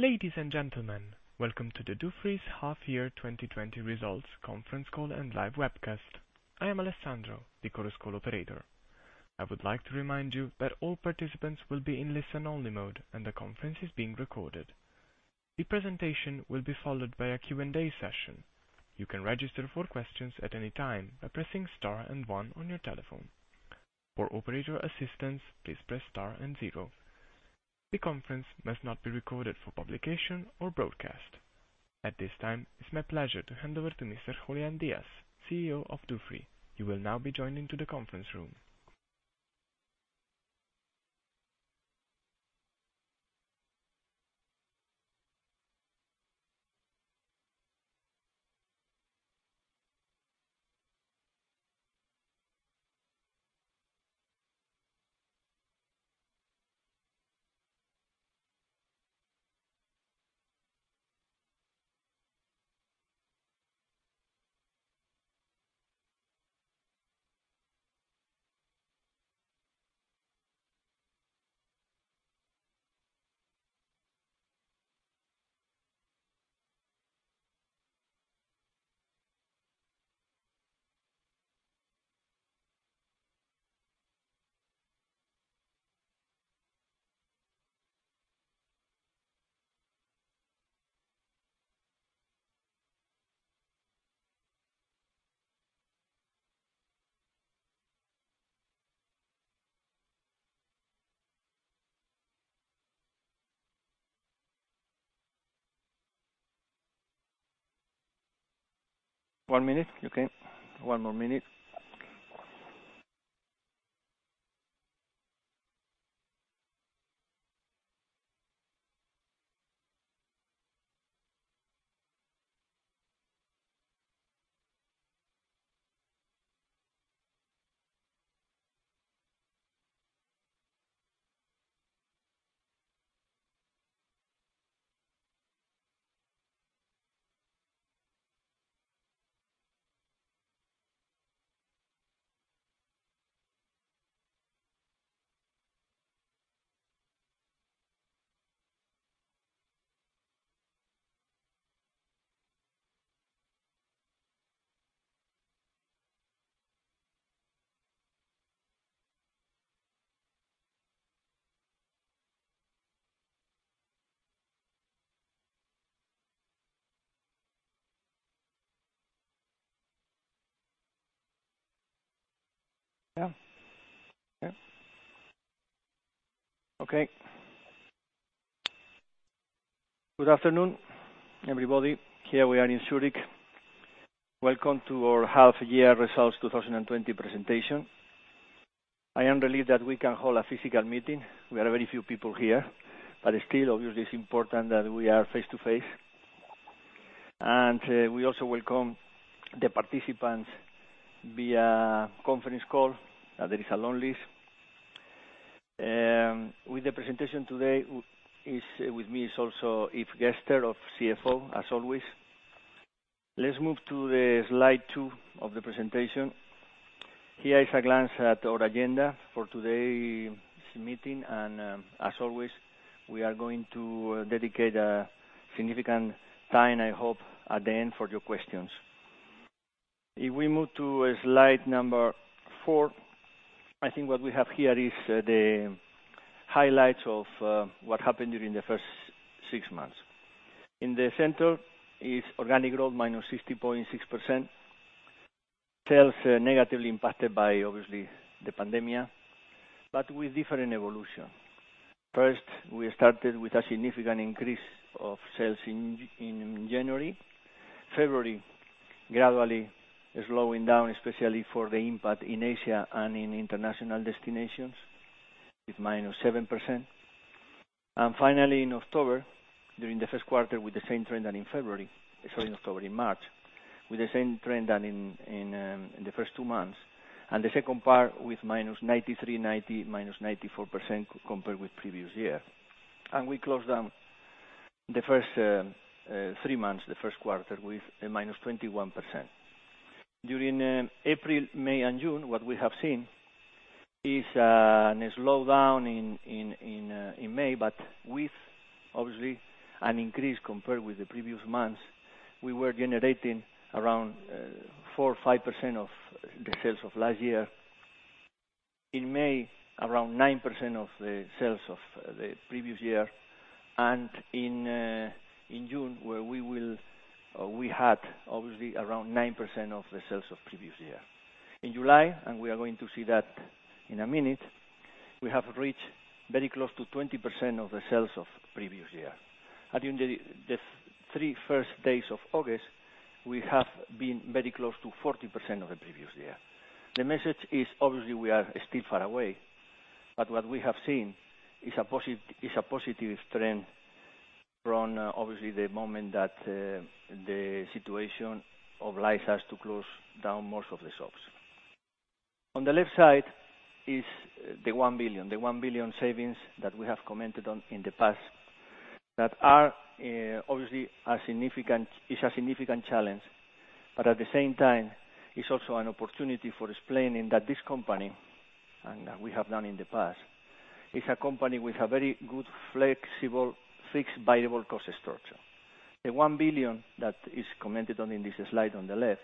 Ladies and gentlemen, welcome to the Dufry's Half Year 2020 Results Conference Call and live webcast. I am Alessandro, the Chorus Call operator. I would like to remind you that all participants will be in listen-only mode, and the conference is being recorded. The presentation will be followed by a Q&A session. You can register for questions at any time by pressing Star and One on your telephone. For operator assistance, please press Star and Zero. The conference must not be recorded for publication or broadcast. At this time, it's my pleasure to hand over to Mr. Julián Díaz, CEO of Dufry. You will now be joining to the conference room. One minute. Okay. One more minute. Yeah. Okay. Good afternoon, everybody. Here we are in Zurich. Welcome to our Half Year Results 2020 presentation. I am relieved that we can hold a physical meeting. We are very few people here, but still, obviously, it's important that we are face to face. We also welcome the participants via conference call. There is a long list. With the presentation today, with me is also Yves Gerster, our CFO, as always. Let's move to the slide two of the presentation. Here is a glance at our agenda for today's meeting. As always, we are going to dedicate a significant time, I hope, at the end for your questions. If we move to slide number four, I think what we have here is the highlights of what happened during the first six months. In the center is organic growth, -60.6%. Sales negatively impacted by obviously the pandemia, but with different evolution. First, we started with a significant increase of sales in January. February, gradually slowing down, especially for the impact in Asia and in international destinations, with -7%. Finally, in October, during the first quarter with the same trend as in February. Sorry, in October, in March, with the same trend as in the first two months, and the second part with -93%, 90%, -94% compared with the previous year. We closed down the first three months, the first quarter, with a -21%. During April, May, and June, what we have seen is a slowdown in May, but with obviously an increase compared with the previous months. We were generating around 4% or 5% of the sales of last year. In May, around 9% of the sales of the previous year, and in June, where we had obviously around 9% of the sales of the previous year. In July, and we are going to see that in a minute, we have reached very close to 20% of the sales of the previous year. During the three first days of August, we have been very close to 40% of the previous year. The message is obviously we are still far away, but what we have seen is a positive trend from obviously the moment that the situation obliged us to close down most of the shops. On the left side is the 1 billion. The 1 billion savings that we have commented on in the past that obviously is a significant challenge. At the same time, it's also an opportunity for explaining that this company, and we have done in the past, is a company with a very good, flexible, fixed-variable cost structure. The 1 billion that is commented on in this slide on the left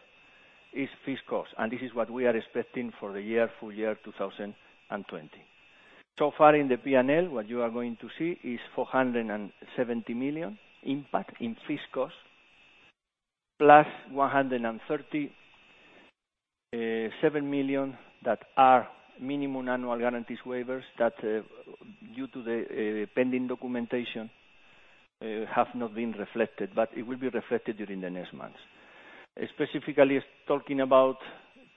is fixed cost. This is what we are expecting for the full year 2020. Far in the P&L, what you are going to see is 470 million impact in fixed cost, plus 137 million that are minimum annual guarantees waivers that, due to the pending documentation, have not been reflected. It will be reflected during the next months. Specifically talking about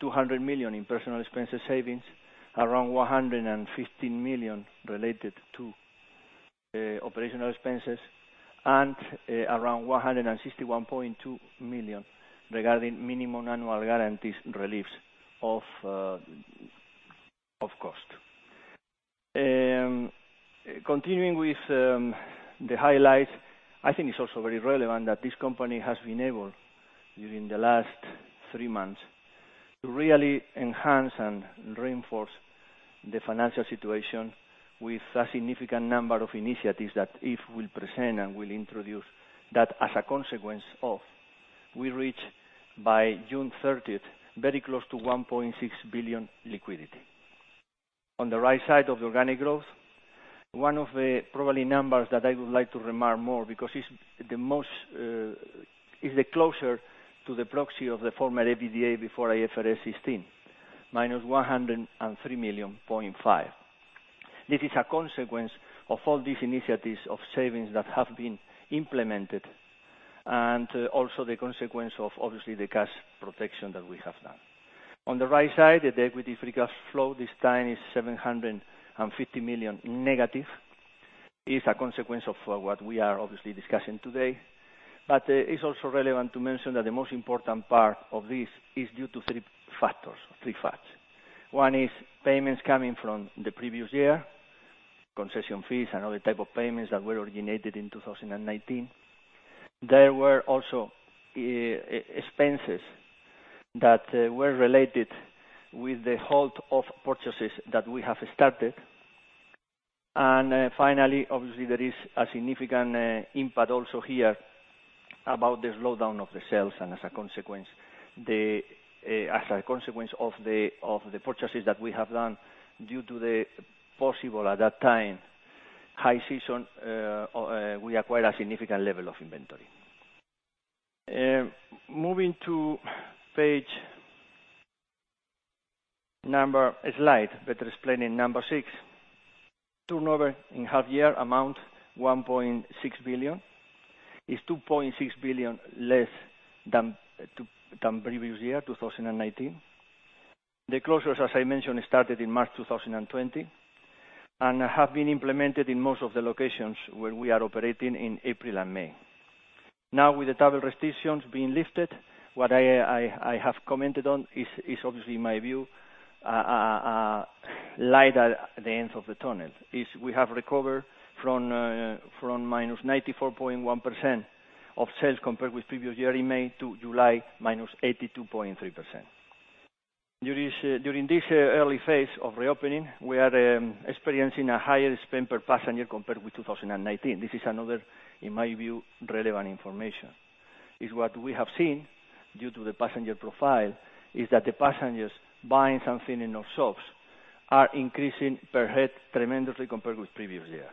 200 million in personal expenses savings, around 115 million related to operational expenses and around 161.2 million regarding Minimum Annual Guarantees reliefs of cost. Continuing with the highlights, I think it's also very relevant that this company has been able, during the last three months, to really enhance and reinforce the financial situation with a significant number of initiatives that Yves will present and will introduce that as a consequence of, we reach by June 30th, very close to 1.6 billion liquidity. On the right side of the organic growth, one of the probably numbers that I would like to remark more because it's the closest to the proxy of the former EBITDA before IFRS 16, -103.5 million. This is a consequence of all these initiatives of savings that have been implemented and also the consequence of, obviously, the cash protection that we have done. On the right side, the equity free cash flow this time is -750 million. It's a consequence of what we are obviously discussing today. It's also relevant to mention that the most important part of this is due to three factors. One is payments coming from the previous year, concession fees and other type of payments that were originated in 2019. There were also expenses that were related with the halt of purchases that we have started. Finally, obviously, there is a significant impact also here about the slowdown of the sales and as a consequence of the purchases that we have done, due to the possible, at that time, high season, we acquired a significant level of inventory. Moving to page number slide, better explaining, number six. Turnover in half year amount 1.6 billion, is 2.6 billion less than previous year, 2019. The closures, as I mentioned, started in March 2020 and have been implemented in most of the locations where we are operating in April and May. With the travel restrictions being lifted, what I have commented on is obviously, in my view, a light at the end of the tunnel, we have recovered from -94.1% of sales compared with previous year in May to July, -82.3%. During this early phase of reopening, we are experiencing a higher spend per passenger compared with 2019. This is another, in my view, relevant information. What we have seen due to the passenger profile, is that the passengers buying something in our shops are increasing per head tremendously compared with previous year.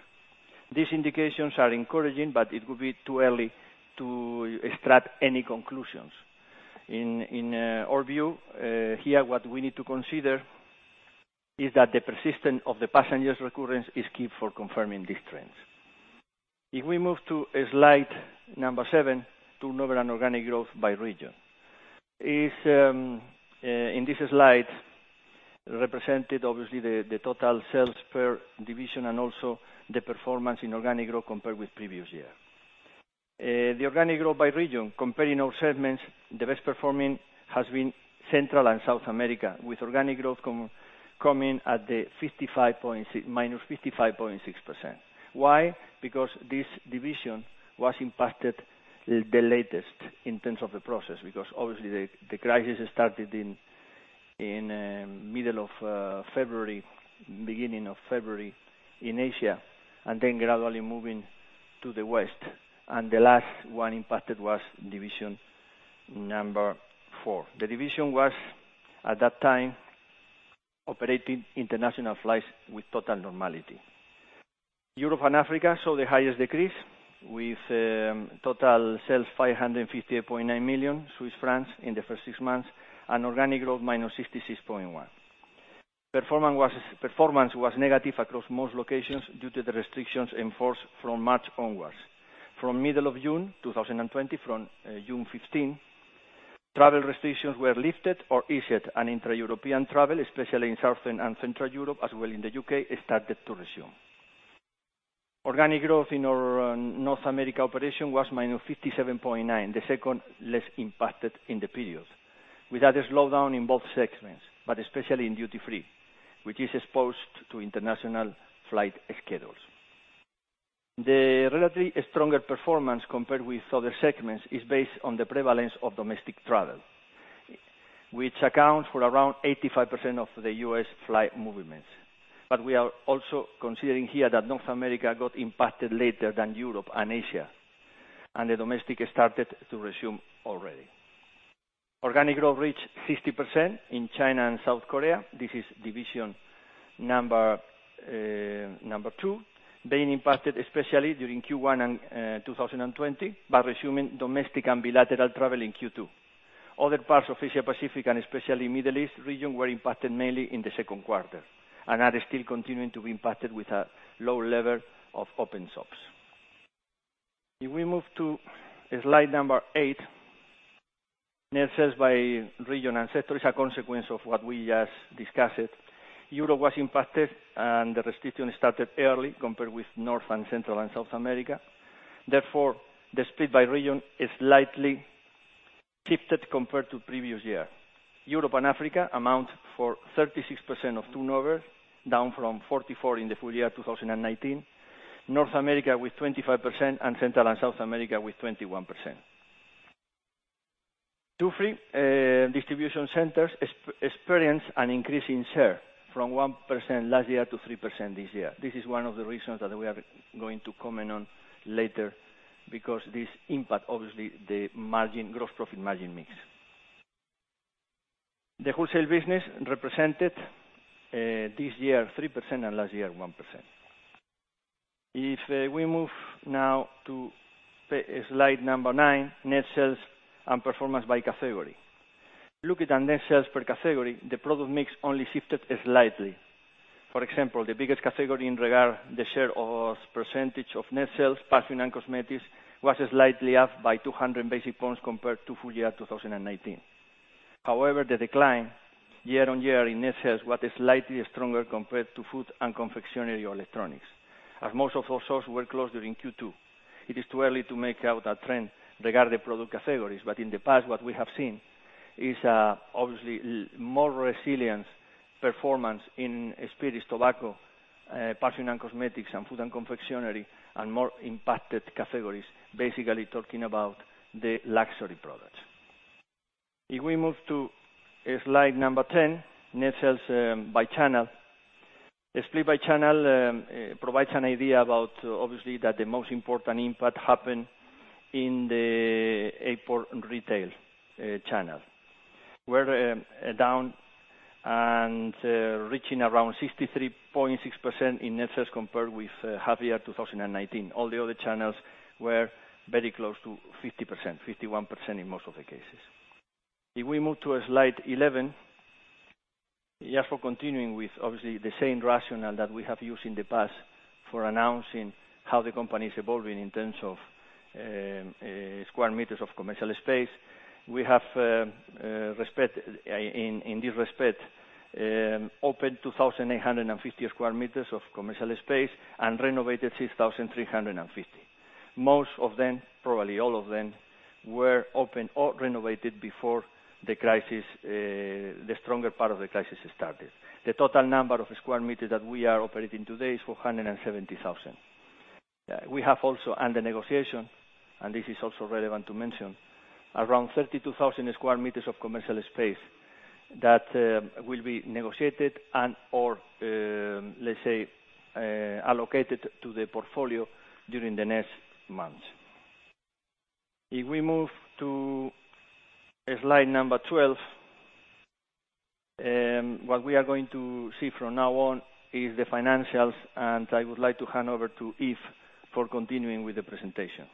These indications are encouraging, it would be too early to extract any conclusions. In our view, here what we need to consider is that the persistence of the passengers recurrence is key for confirming these trends. If we move to slide number seven, turnover and organic growth by region. In this slide, represented obviously the total sales per division and also the performance in organic growth compared with previous year. The organic growth by region, comparing all segments, the best performing has been Central and South America, with organic growth coming at -55.6%. Why? Because this division was impacted the latest in terms of the process, because obviously the crisis started in middle of February, beginning of February in Asia. Then gradually moving to the West. The last one impacted was division number four. The division was, at that time, operating international flights with total normality. Europe and Africa saw the highest decrease, with total sales 558.9 million Swiss francs in the first six months and organic growth -66.1%. Performance was negative across most locations due to the restrictions in force from March onwards. From middle of June 2020, from June 15th, travel restrictions were lifted or eased and intra-European travel, especially in Southern and Central Europe, as well in the U.K., started to resume. Organic growth in our North America operation was -57.9%, the second less impacted in the period, with a slowdown in both segments, but especially in duty free, which is exposed to international flight schedules. The relatively stronger performance compared with other segments is based on the prevalence of domestic travel, which accounts for around 85% of the U.S. flight movements. We are also considering here that North America got impacted later than Europe and Asia, and the domestic started to resume already. Organic growth reached 60% in China and South Korea. This is division number two, being impacted especially during Q1 in 2020, but resuming domestic and bilateral travel in Q2. Other parts of Asia-Pacific, and especially Middle East region, were impacted mainly in the second quarter, and are still continuing to be impacted with a low level of open shops. If we move to slide number eight, net sales by region and sector is a consequence of what we just discussed. Europe was impacted, and the restriction started early compared with North and Central and South America. The split by region is slightly shifted compared to previous year. Europe and Africa amount for 36% of turnover, down from 44% in the full year 2019. North America with 25%, and Central and South America with 21%. duty free distribution centers experienced an increase in share, from 1% last year to 3% this year. This is one of the reasons that we are going to comment on later, because this impact, obviously, the gross profit margin mix. The wholesale business represented, this year, 3%, and last year, 1%. If we move now to slide number nine, net sales and performance by category. Looking at net sales per category, the product mix only shifted slightly. For example, the biggest category in regard the share or percentage of net sales, perfume and cosmetics was slightly up by 200 basis points compared to full year 2019. However, the decline year-on-year in net sales was slightly stronger compared to food and confectionery or electronics, as most of those stores were closed during Q2. It is too early to make out a trend regarding product categories. In the past, what we have seen is, obviously, more resilient performance in spirits, tobacco, perfume and cosmetics, and food and confectionery, and more impacted categories, basically talking about the luxury products. If we move to slide number 10, net sales by channel. The split by channel provides an idea about, obviously, that the most important impact happened in the airport and retail channel, were down and reaching around 63.6% in net sales compared with half year 2019. All the other channels were very close to 50%, 51% in most of the cases. If we move to slide 11, just for continuing with obviously the same rationale that we have used in the past for announcing how the company is evolving in terms of square meters of commercial space. We have, in this respect, opened 2,850sq m of commercial space and renovated 6,350. Most of them, probably all of them, were opened or renovated before the stronger part of the crisis started. The total number of sq m that we are operating today is 470,000. We have also, under negotiation, and this is also relevant to mention, around 32,000 sq m of commercial space that will be negotiated and/or, let's say, allocated to the portfolio during the next months. If we move to slide number 12, what we are going to see from now on is the financials, and I would like to hand over to Yves for continuing with the presentation.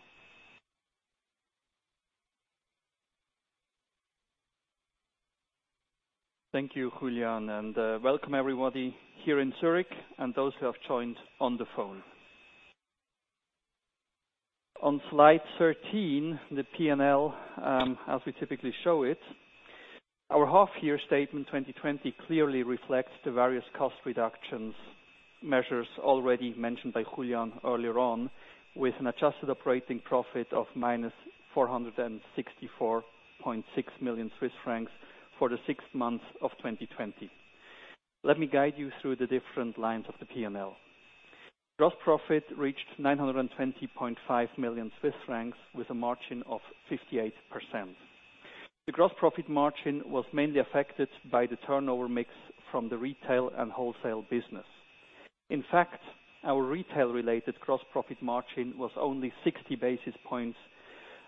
Thank you, Julián, and welcome everybody here in Zurich and those who have joined on the phone. On slide 13, the P&L, as we typically show it, our half year statement 2020 clearly reflects the various cost reductions measures already mentioned by Julián earlier on, with an adjusted operating profit of -464.6 million Swiss francs for the sixth month of 2020. Let me guide you through the different lines of the P&L. Gross profit reached 920.5 million Swiss francs with a margin of 58%. The gross profit margin was mainly affected by the turnover mix from the retail and wholesale business. In fact, our retail-related gross profit margin was only 60 basis points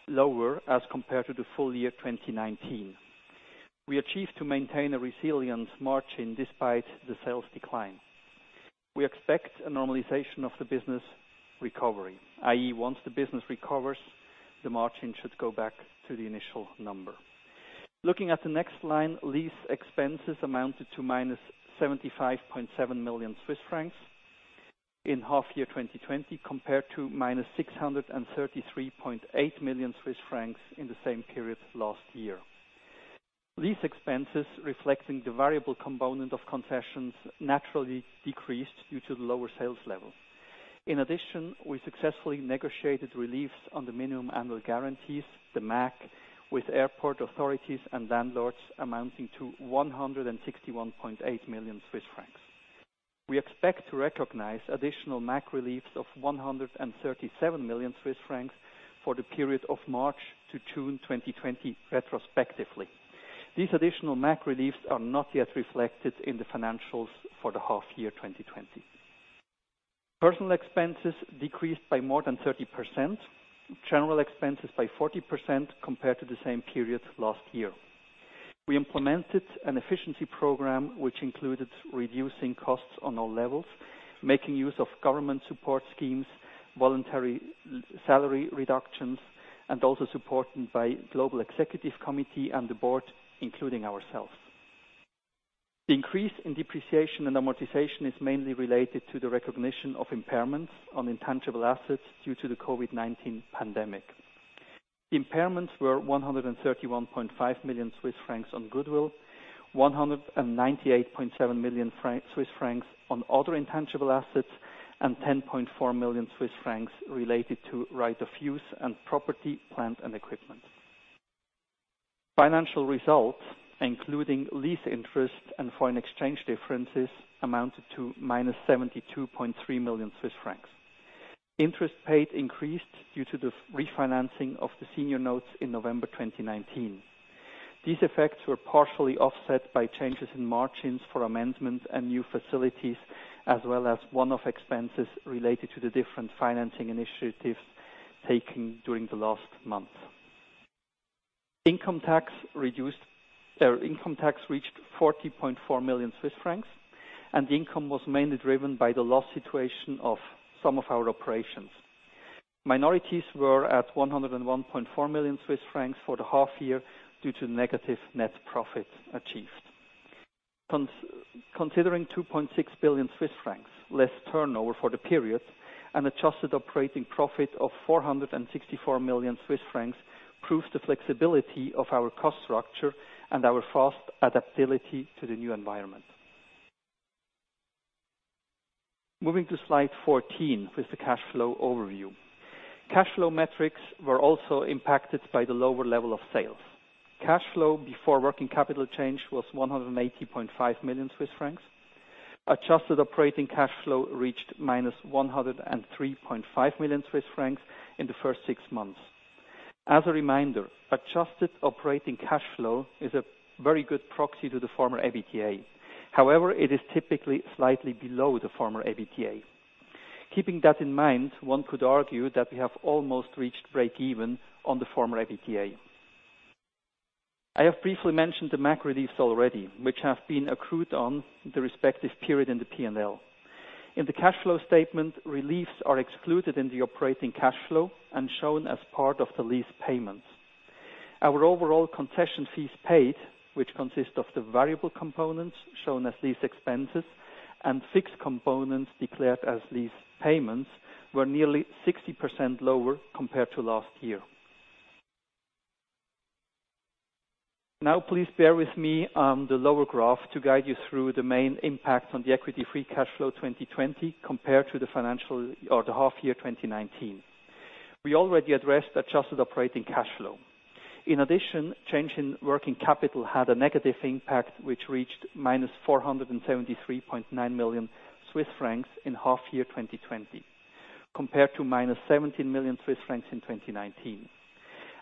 lower as compared to the full year 2019. We achieved to maintain a resilient margin despite the sales decline. We expect a normalization of the business recovery, i.e., once the business recovers, the margin should go back to the initial number. Looking at the next line, lease expenses amounted to -75.7 million Swiss francs in half year 2020, compared to -633.8 million Swiss francs in the same period last year. Lease expenses reflecting the variable component of concessions naturally decreased due to the lower sales level. In addition, we successfully negotiated reliefs on the minimum annual guarantees, the MAG, with airport authorities and landlords amounting to 161.8 million Swiss francs. We expect to recognize additional MAG reliefs of 137 million Swiss francs for the period of March to June 2020 retrospectively. These additional MAG reliefs are not yet reflected in the financials for the half year 2020. Personal expenses decreased by more than 30%, general expenses by 40% compared to the same period last year. We implemented an efficiency program which included reducing costs on all levels, making use of government support schemes, voluntary salary reductions, and also supported by Global Executive Committee and the board, including ourselves. The increase in depreciation and amortization is mainly related to the recognition of impairments on intangible assets due to the COVID-19 pandemic. Impairments were 131.5 million Swiss francs on goodwill, 198.7 million Swiss francs on other intangible assets, and 10.4 million Swiss francs related to right of use and property, plant, and equipment. Financial results, including lease interest and foreign exchange differences, amounted to -72.3 million Swiss francs. Interest paid increased due to the refinancing of the senior notes in November 2019. These effects were partially offset by changes in margins for amendments and new facilities, as well as one-off expenses related to the different financing initiatives taken during the last month. Income tax reached 40.4 million Swiss francs, the income was mainly driven by the loss situation of some of our operations. Minorities were at 101.4 million Swiss francs for the half year due to negative net profit achieved. Considering 2.6 billion Swiss francs, less turnover for the period, an adjusted operating profit of 464 million Swiss francs proves the flexibility of our cost structure and our fast adaptability to the new environment. Moving to slide 14 with the cash flow overview. Cash flow metrics were also impacted by the lower level of sales. Cash flow before working capital change was 180.5 million Swiss francs. Adjusted operating cash flow reached -103.5 million Swiss francs in the first six months. As a reminder, adjusted operating cash flow is a very good proxy to the former EBITDA. It is typically slightly below the former EBITDA. Keeping that in mind, one could argue that we have almost reached break even on the former EBITDA. I have briefly mentioned the MAG reliefs already, which have been accrued on the respective period in the P&L. In the cash flow statement, reliefs are excluded in the operating cash flow and shown as part of the lease payments. Our overall concession fees paid, which consist of the variable components shown as lease expenses and fixed components declared as lease payments, were nearly 60% lower compared to last year. Please bear with me on the lower graph to guide you through the main impact on the equity free cash flow 2020 compared to the half year 2019. We already addressed adjusted operating cash flow. Change in working capital had a negative impact, which reached -473.9 million Swiss francs in half year 2020, compared to -17 million Swiss francs in 2019.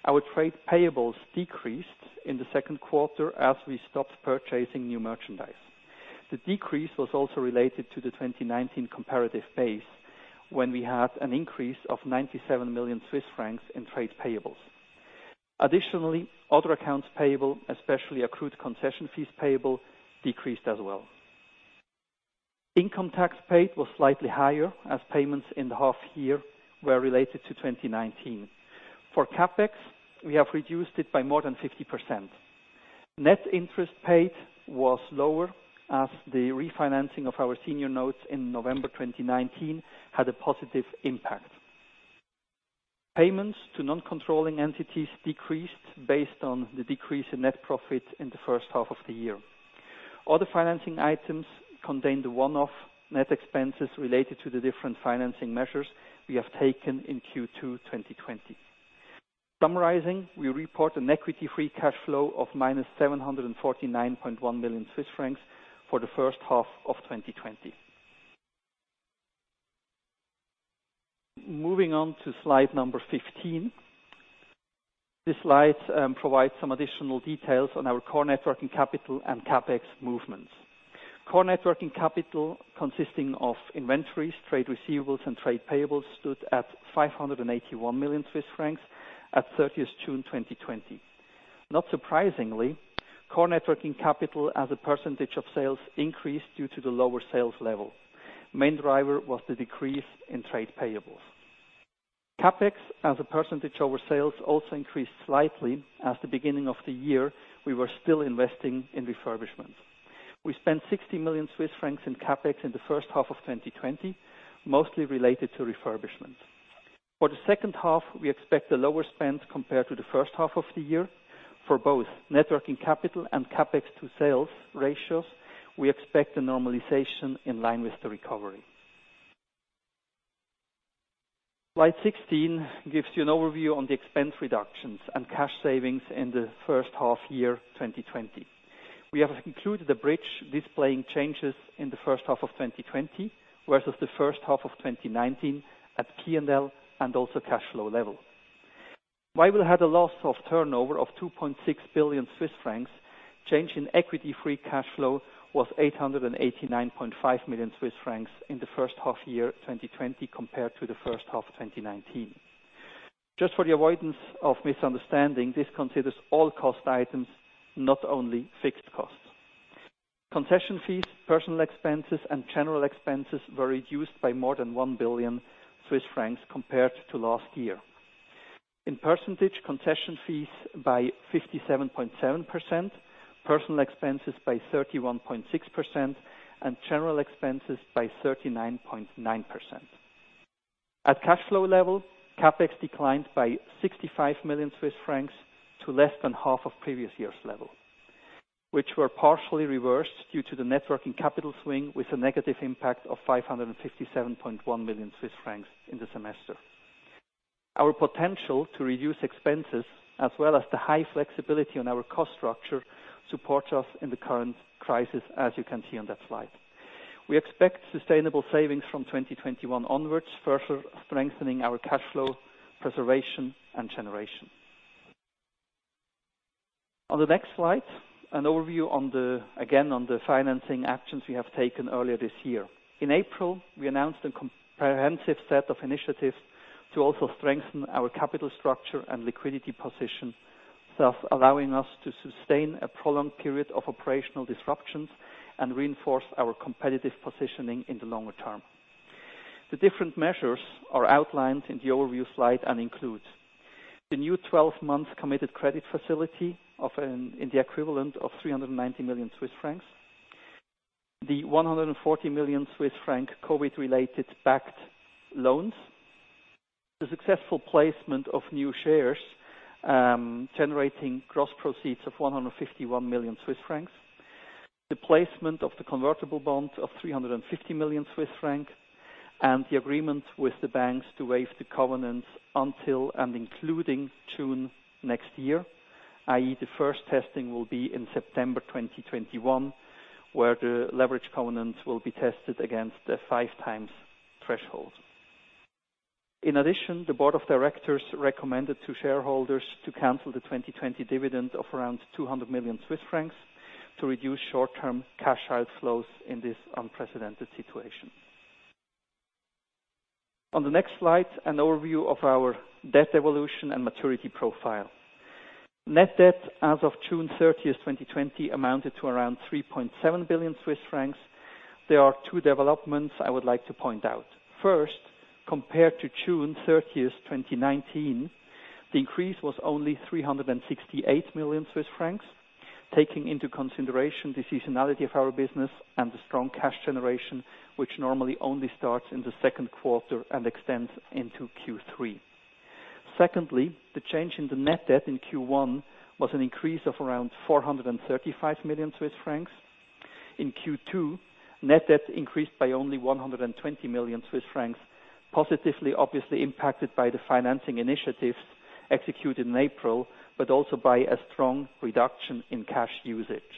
Our trade payables decreased in the second quarter as we stopped purchasing new merchandise. The decrease was also related to the 2019 comparative phase, when we had an increase of 97 million Swiss francs in trade payables. Other accounts payable, especially accrued concession fees payable, decreased as well. Income tax paid was slightly higher as payments in the half year were related to 2019. For CapEx, we have reduced it by more than 50%. Net interest paid was lower as the refinancing of our senior notes in November 2019 had a positive impact. Payments to non-controlling entities decreased based on the decrease in net profit in the first half of the year. Other financing items contained the one-off net expenses related to the different financing measures we have taken in Q2 2020. Summarizing, we report an equity free cash flow of -749.1 million Swiss francs for the first half of 2020. Moving on to slide number 15. This slide provides some additional details on our core net working capital and CapEx movements. Core net working capital, consisting of inventories, trade receivables, and trade payables, stood at 581 million Swiss francs at 30th June 2020. Not surprisingly, core net working capital as a percentage of sales increased due to the lower sales level. Main driver was the decrease in trade payables. CapEx as a percentage over sales also increased slightly as at the beginning of the year, we were still investing in refurbishment. We spent 60 million Swiss francs in CapEx in the first half of 2020, mostly related to refurbishment. For the second half, we expect a lower spend compared to the first half of the year. For both net working capital and CapEx to sales ratios, we expect a normalization in line with the recovery. Slide 16 gives you an overview on the expense reductions and cash savings in the first half year 2020. We have included a bridge displaying changes in the first half of 2020, whereas the first half of 2019 at P&L and also cash flow level. While we had a loss of turnover of 2.6 billion Swiss francs, change in equity free cash flow was 889.5 million Swiss francs in the first half year 2020 compared to the first half 2019. Just for the avoidance of misunderstanding, this considers all cost items, not only fixed costs. Concession fees, personal expenses, and general expenses were reduced by more than 1 billion Swiss francs compared to last year. In percentage, concession fees by 57.7%, personal expenses by 31.6%, and general expenses by 39.9%. At cash flow level, CapEx declined by 65 million Swiss francs to less than half of previous year's level, which were partially reversed due to the net working capital swing with a negative impact of 557.1 million Swiss francs in the semester. Our potential to reduce expenses as well as the high flexibility on our cost structure supports us in the current crisis, as you can see on that slide. We expect sustainable savings from 2021 onwards, further strengthening our cash flow preservation and generation. On the next slide, an overview, again, on the financing actions we have taken earlier this year. In April, we announced a comprehensive set of initiatives to also strengthen our capital structure and liquidity position, thus allowing us to sustain a prolonged period of operational disruptions and reinforce our competitive positioning in the longer term. The different measures are outlined in the overview slide and include: the new 12-month committed credit facility in the equivalent of 390 million Swiss francs, the 140 million Swiss franc COVID-19 related backed loans, the successful placement of new shares, generating gross proceeds of 151 million Swiss francs, the placement of the convertible bonds of 350 million Swiss francs, the agreement with the banks to waive the covenants until and including June next year, i.e. the first testing will be in September 2021, where the leverage covenants will be tested against the five times threshold. In addition, the board of directors recommended to shareholders to cancel the 2020 dividend of around 200 million Swiss francs to reduce short-term cash outflows in this unprecedented situation. On the next slide, an overview of our debt evolution and maturity profile. Net debt as of June 30th, 2020 amounted to around 3.7 billion Swiss francs. There are two developments I would like to point out. First, compared to June 30th, 2019, the increase was only 368 million Swiss francs, taking into consideration the seasonality of our business and the strong cash generation, which normally only starts in the second quarter and extends into Q3. Secondly, the change in the net debt in Q1 was an increase of around 435 million Swiss francs. In Q2, net debt increased by only 120 million Swiss francs, positively obviously impacted by the financing initiatives executed in April, but also by a strong reduction in cash usage.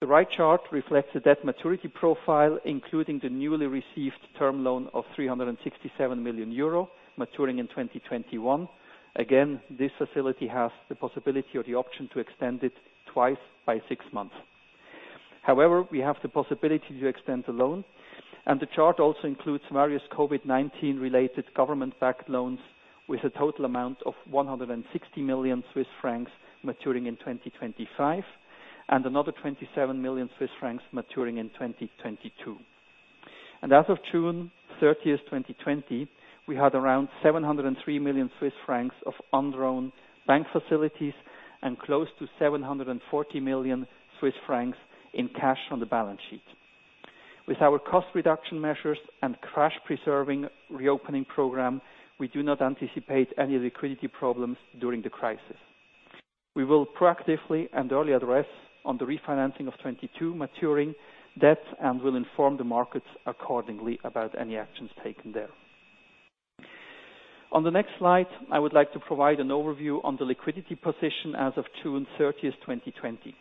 The right chart reflects the debt maturity profile, including the newly received term loan of 367 million euro maturing in 2021. This facility has the possibility or the option to extend it twice by six months. We have the possibility to extend the loan, the chart also includes various COVID-19 related government-backed loans with a total amount of 160 million Swiss francs maturing in 2025, another 27 million Swiss francs maturing in 2022. As of June 30th, 2020, we had around 703 million Swiss francs of undrawn bank facilities and close to 740 million Swiss francs in cash on the balance sheet. With our cost reduction measures and cash preserving reopening program, we do not anticipate any liquidity problems during the crisis. We will proactively and early address on the refinancing of 2022 maturing debt and will inform the markets accordingly about any actions taken there. On the next slide, I would like to provide an overview on the liquidity position as of June 30th, 2020.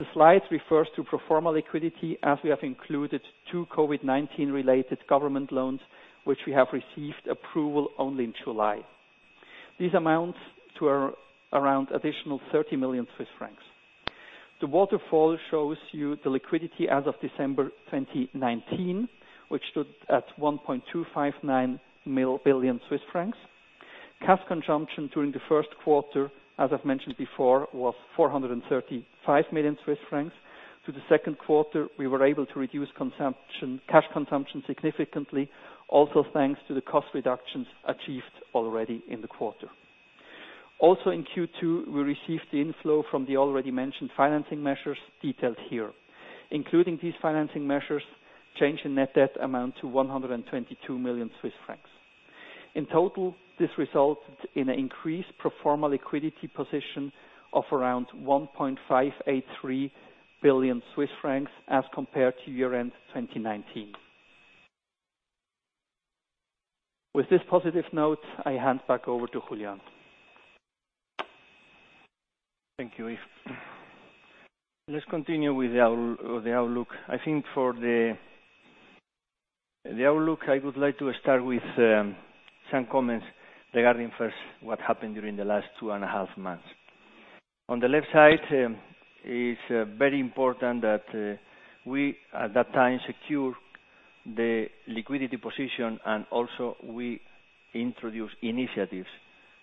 The slide refers to pro forma liquidity as we have included two COVID-19-related government loans, which we have received approval only in July. These amounts to around additional 30 million Swiss francs. The waterfall shows you the liquidity as of December 2019, which stood at 1.259 billion Swiss francs. Cash consumption during the first quarter, as I've mentioned before, was 435 million Swiss francs. To the second quarter, we were able to reduce cash consumption significantly, also thanks to the cost reductions achieved already in the quarter. Also in Q2, we received the inflow from the already mentioned financing measures detailed here. Including these financing measures, change in net debt amount to 122 million Swiss francs. In total, this resulted in an increased pro forma liquidity position of around 1.583 billion Swiss francs as compared to year-end 2019. With this positive note, I hand back over to Julián. Thank you, Yves. Let's continue with the outlook. I think for the outlook, I would like to start with some comments regarding first what happened during the last two and a half months. On the left side, it's very important that we, at that time, secure the liquidity position and also we introduce initiatives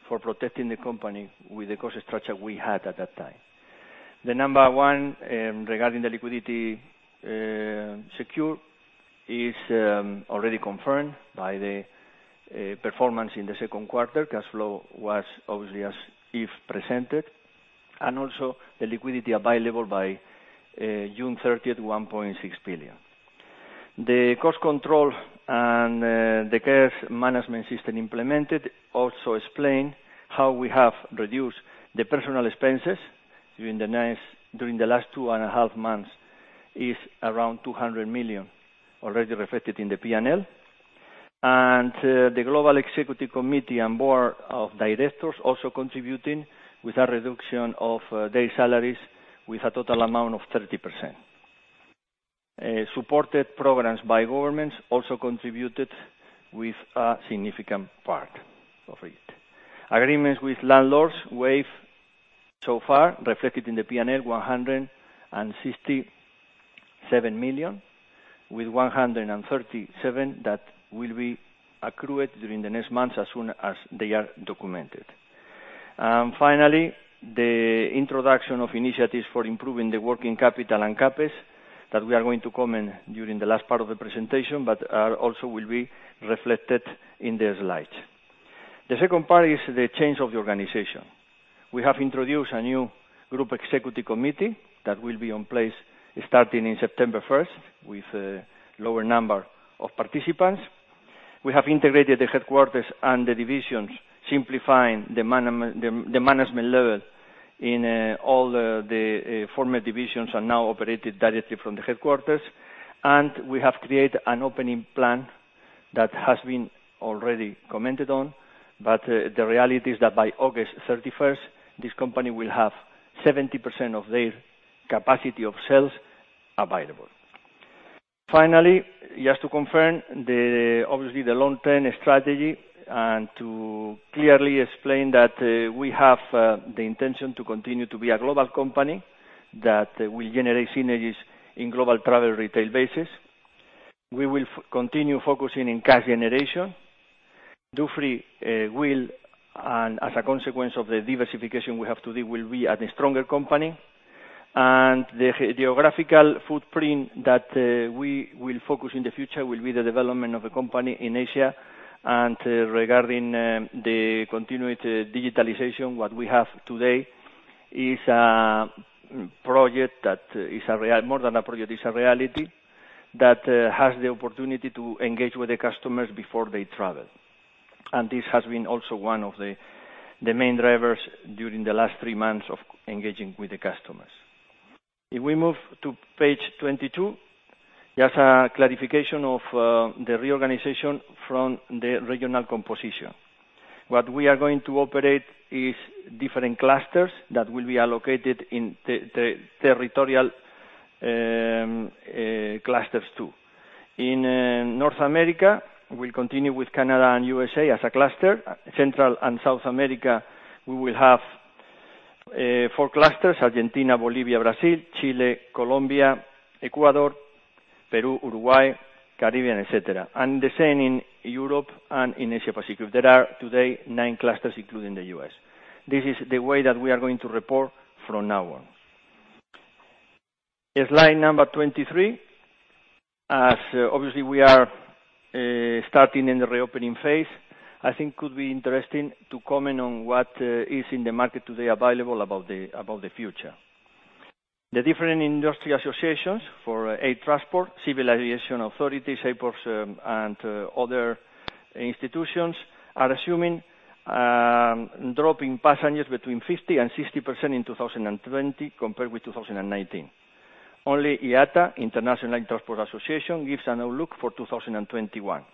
for protecting the company with the cost structure we had at that time. The number one, regarding the liquidity secure, is already confirmed by the performance in the second quarter. Cash flow was obviously as Yves presented, and also the liquidity available by June 30th, 1.6 billion. The cost control and the cash management system implemented also explain how we have reduced the personal expenses during the last two and a half months, is around 200 million already reflected in the P&L. The Global Executive Committee and board of directors also contributing with a reduction of their salaries with a total amount of 30%. Supported programs by governments also contributed with a significant part of it. Agreements with landlords waived so far, reflected in the P&L, 167 million, with 137 million that will be accrued during the next months as soon as they are documented. Finally, the introduction of initiatives for improving the working capital and CapEx that we are going to comment during the last part of the presentation, but also will be reflected in the slides. The second part is the change of the organization. We have introduced a new Global Executive Committee that will be in place starting in September 1st with a lower number of participants. We have integrated the headquarters and the divisions, simplifying the management level in all the former divisions are now operated directly from the headquarters. We have created an opening plan that has been already commented on, but the reality is that by August 31st, this company will have 70% of their capacity of sales available. Finally, just to confirm, obviously the long-term strategy and to clearly explain that we have the intention to continue to be a global company that will generate synergies in global travel retail basis. We will continue focusing on cash generation. Dufry will, and as a consequence of the diversification we have today, will be a stronger company. The geographical footprint that we will focus on in the future will be the development of the company in Asia. Regarding the continued digitalization, what we have today is a project that is more than a project, it's a reality that has the opportunity to engage with the customers before they travel. This has been also one of the main drivers during the last three months of engaging with the customers. If we move to page 22, just a clarification of the reorganization from the regional composition. What we are going to operate is different clusters that will be allocated in the territorial clusters too. In North America, we'll continue with Canada and USA as a cluster. Central and South America, we will have four clusters, Argentina, Bolivia, Brazil, Chile, Colombia, Ecuador, Peru, Uruguay, Caribbean, et cetera. The same in Europe and in Asia-Pacific. There are today nine clusters, including the U.S. This is the way that we are going to report from now on. Slide number 23. Obviously we are starting in the reopening phase, I think could be interesting to comment on what is in the market today available about the future. The different industry associations for air transport, civil aviation authorities, airports, and other institutions are assuming drop in passengers between 50% and 60% in 2020 compared with 2019. Only IATA, International Air Transport Association, gives an outlook for 2021.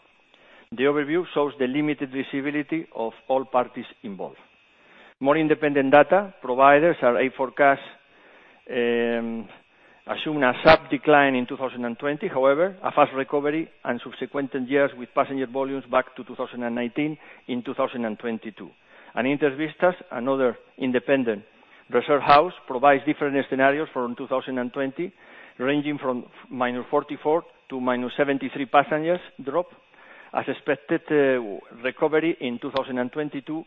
The overview shows the limited visibility of all parties involved. More independent data providers are Air4casts, assume a sharp decline in 2020, however, a fast recovery and subsequent years with passenger volumes back to 2019 in 2022. InterVISTAS, another independent research house, provides different scenarios for 2020, ranging from -44 to -73 passengers drop, as expected recovery in 2022,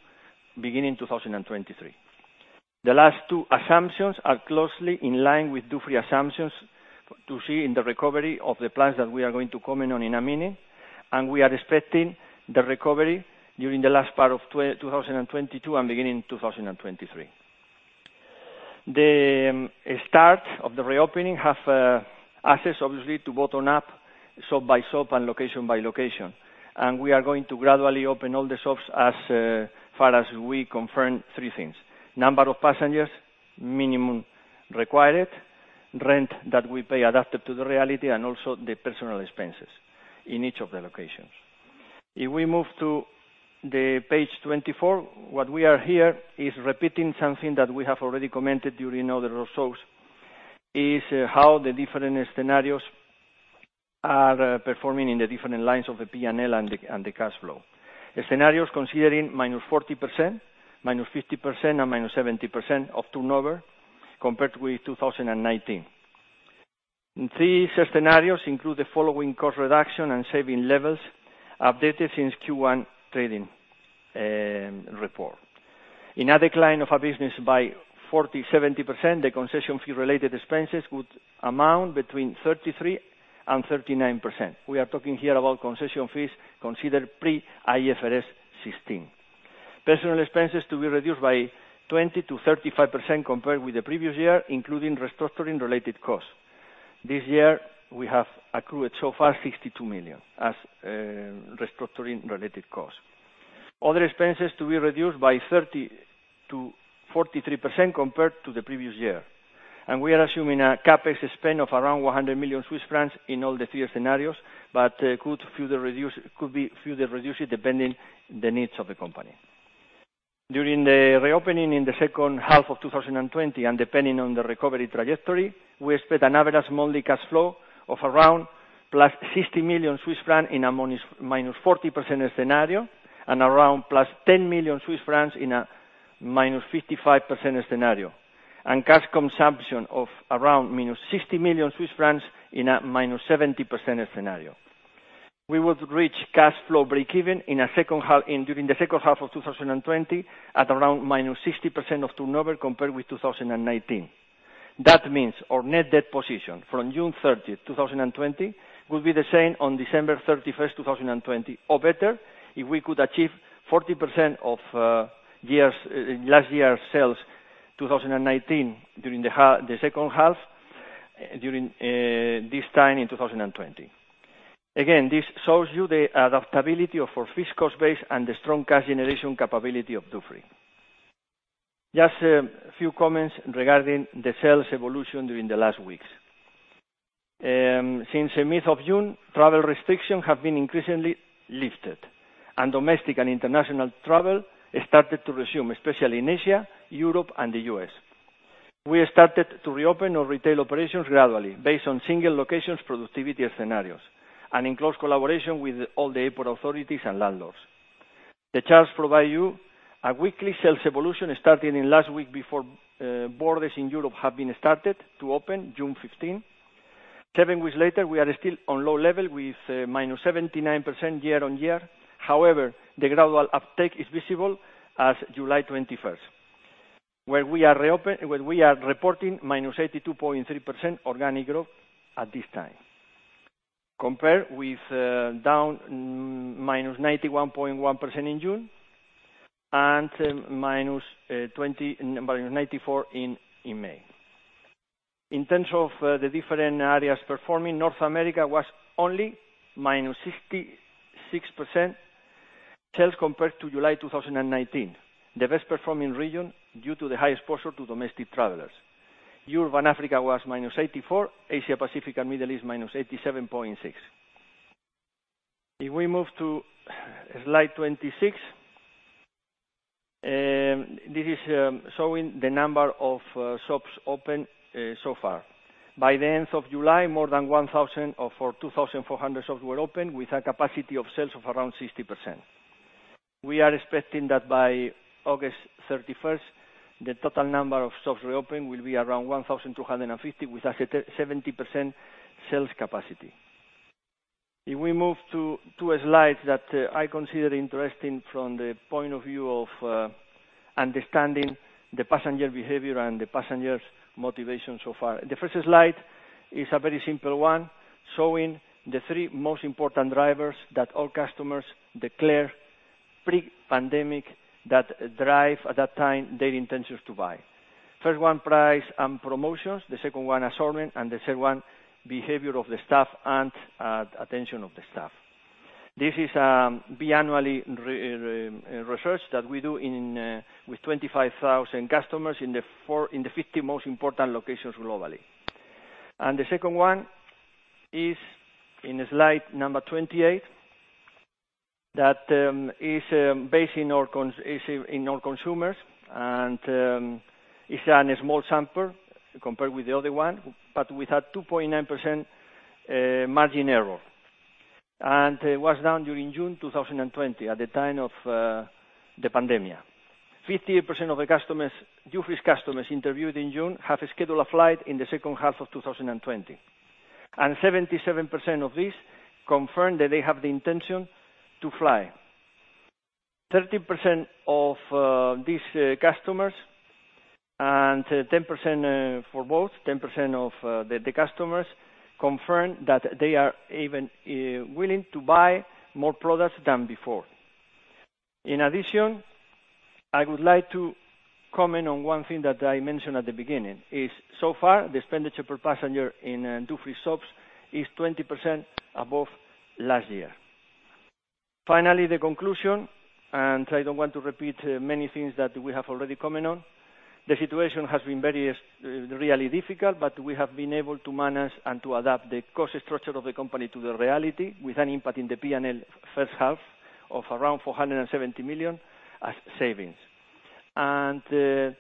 beginning 2023. The last two assumptions are closely in line with Dufry assumptions to see in the recovery of the plans that we are going to comment on in a minute, and we are expecting the recovery during the last part of 2022 and beginning 2023. The start of the reopening have access, obviously, to bottom up, shop by shop and location by location. We are going to gradually open all the shops as far as we confirm three things. Number of passengers, minimum required, rent that we pay adapted to the reality, and also the personal expenses in each of the locations. We move to the page 24, what we are here is repeating something that we have already commented during other results, is how the different scenarios are performing in the different lines of the P&L and the cash flow. The scenario is considering -40%, -50% and -70% of turnover compared with 2019. These scenarios include the following cost reduction and saving levels updated since Q1 trading report. In a decline of our business by 40%, 70%, the concession fee-related expenses would amount between 33%-39%. We are talking here about concession fees considered pre-IFRS 16. Personal expenses to be reduced by 20%-35% compared with the previous year, including restructuring-related costs. This year, we have accrued so far 62 million as restructuring-related costs. Other expenses to be reduced by 30%-43% compared to the previous year. We are assuming a CapEx spend of around 100 million Swiss francs in all the three scenarios, but could be further reduced depending the needs of the company. During the reopening in the second half of 2020 and depending on the recovery trajectory, we expect an average monthly cash flow of around plus 60 million Swiss francs in a -40% scenario and around plus 10 million Swiss francs in a -55% scenario, and cash consumption of around -60 million Swiss francs in a -70% scenario. We would reach cash flow breakeven during the second half of 2020 at around -60% of turnover compared with 2019. That means our net debt position from June 30th, 2020, will be the same on December 31st, 2020, or better, if we could achieve 40% of last year sales, 2019, during the second half during this time in 2020. Again, this shows you the adaptability of our fixed cost base and the strong cash generation capability of Dufry. Just a few comments regarding the sales evolution during the last weeks. Since the mid of June, travel restrictions have been increasingly lifted, and domestic and international travel started to resume, especially in Asia, Europe, and the U.S. We started to reopen our retail operations gradually based on single locations productivity scenarios, and in close collaboration with all the airport authorities and landlords. The charts provide you a weekly sales evolution starting in last week before borders in Europe have been started to open, June 15. Seven weeks later, we are still on low level with -79% year-on-year. However, the gradual uptake is visible as July 21st, where we are reporting -82.3% organic growth at this time. Compared with down -91.1% in June and -94% in May. In terms of the different areas performing, North America was only -66% sales compared to July 2019, the best-performing region due to the highest portion to domestic travelers. Europe and Africa was -84%, Asia-Pacific and Middle East, -87.6%. If we move to slide 26, this is showing the number of shops open so far. By the end of July, more than 1,000 of our 2,400 shops were open with a capacity of sales of around 60%. We are expecting that by August 31st, the total number of shops reopen will be around 1,250 with a 70% sales capacity. If we move to a slide that I consider interesting from the point of view of understanding the passenger behavior and the passenger's motivation so far. The first slide is a very simple one, showing the three most important drivers that all customers declare pre-pandemic that drive at that time their intentions to buy. First one, price and promotions, the second one, assortment, and the third one, behavior of the staff and attention of the staff. This is bi-annually research that we do with 25,000 customers in the 50 most important locations globally. The second one is in slide number 28, that is based in our consumers, and it's on a small sample compared with the other one, but with a 2.9% margin error. It was done during June 2020 at the time of the pandemic. 58% of Dufry's customers interviewed in June have scheduled a flight in the second half of 2020, and 77% of these confirmed that they have the intention to fly. 30% of these customers and 10% for both, 10% of the customers confirmed that they are even willing to buy more products than before. In addition, I would like to comment on one thing that I mentioned at the beginning, is so far, the expenditure per passenger in duty free shops is 20% above last year. Finally, the conclusion. I don't want to repeat many things that we have already comment on. The situation has been really difficult, but we have been able to manage and to adapt the cost structure of the company to the reality with an impact in the P&L first half of around 470 million as savings. That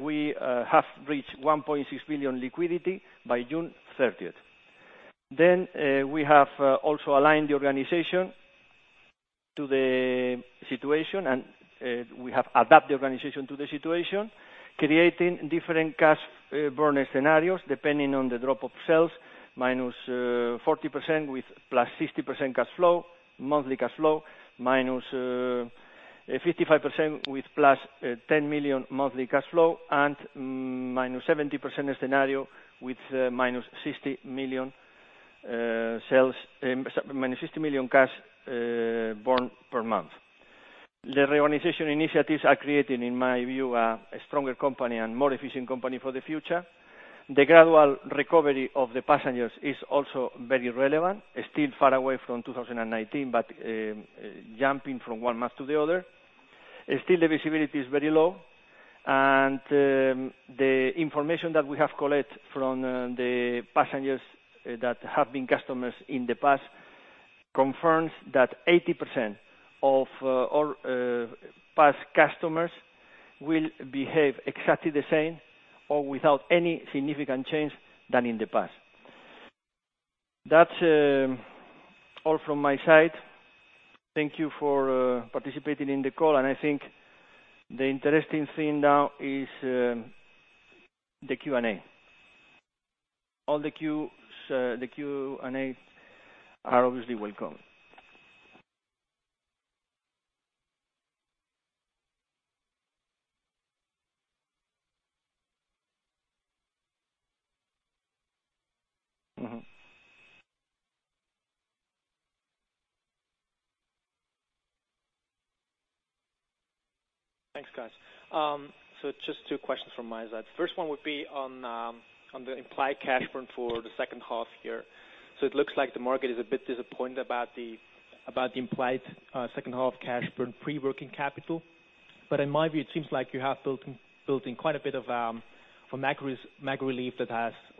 we have reached 1.6 billion liquidity by June 30th. We have also aligned the organization to the situation. We have adapted the organization to the situation, creating different cash burn scenarios depending on the drop of sales, -40% with +60% monthly cash flow, -55% with +10 million monthly cash flow, and -70% scenario with CHF -60 million cash burn per month. The reorganization initiatives are creating, in my view, a stronger company and more efficient company for the future. The gradual recovery of the passengers is also very relevant. Still far away from 2019, but jumping from one month to the other. Still the visibility is very low, and the information that we have collected from the passengers that have been customers in the past confirms that 80% of all past customers will behave exactly the same or without any significant change than in the past. That's all from my side. Thank you for participating in the call, and I think the interesting thing now is the Q&A. All the Q's, the Q&A are obviously welcome. Thanks, guys. Just two questions from my side. First one would be on the implied cash burn for the second half here. In my view, it seems like you have built in quite a bit of,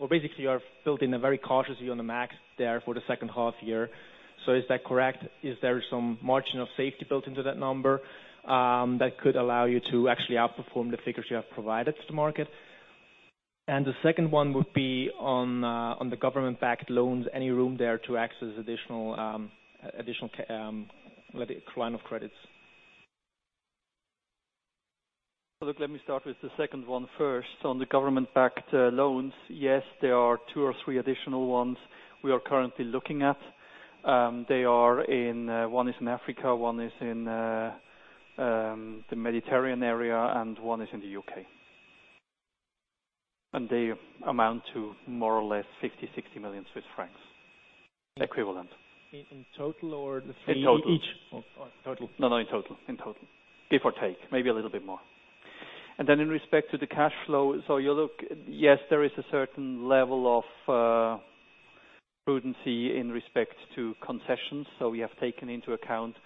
basically you are building a very cautious view on the MAGs there for the second half year. Is that correct? Is there some margin of safety built into that number, that could allow you to actually outperform the figures you have provided to the market? The second one would be on the government-backed loans. Any room there to access additional line of credits? Look, let me start with the second one first. On the government-backed loans, yes, there are two or three additional ones we are currently looking at. One is in Africa, one is in the Mediterranean area, and one is in the U.K. They amount to more or less 60 million Swiss francs equivalent. In total or the three each? In total. Total. No, in total. Give or take, maybe a little bit more. In respect to the cash flow, you look, yes, there is a certain level of prudency in respect to concessions. We have taken into account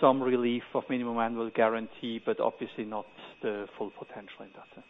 some relief of Minimum Annual Guarantee, but obviously not the full potential in that sense.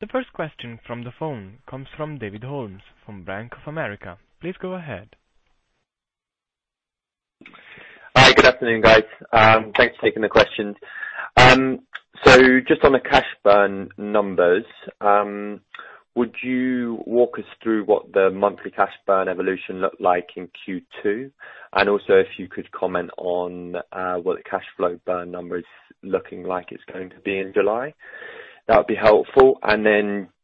Thanks. The first question from the phone comes from David Holmes from Bank of America. Please go ahead. Hi. Good afternoon, guys. Thanks for taking the questions. Just on the cash burn numbers, would you walk us through what the monthly cash burn evolution looked like in Q2? Also if you could comment on what the cash flow burn number is looking like it's going to be in July, that would be helpful.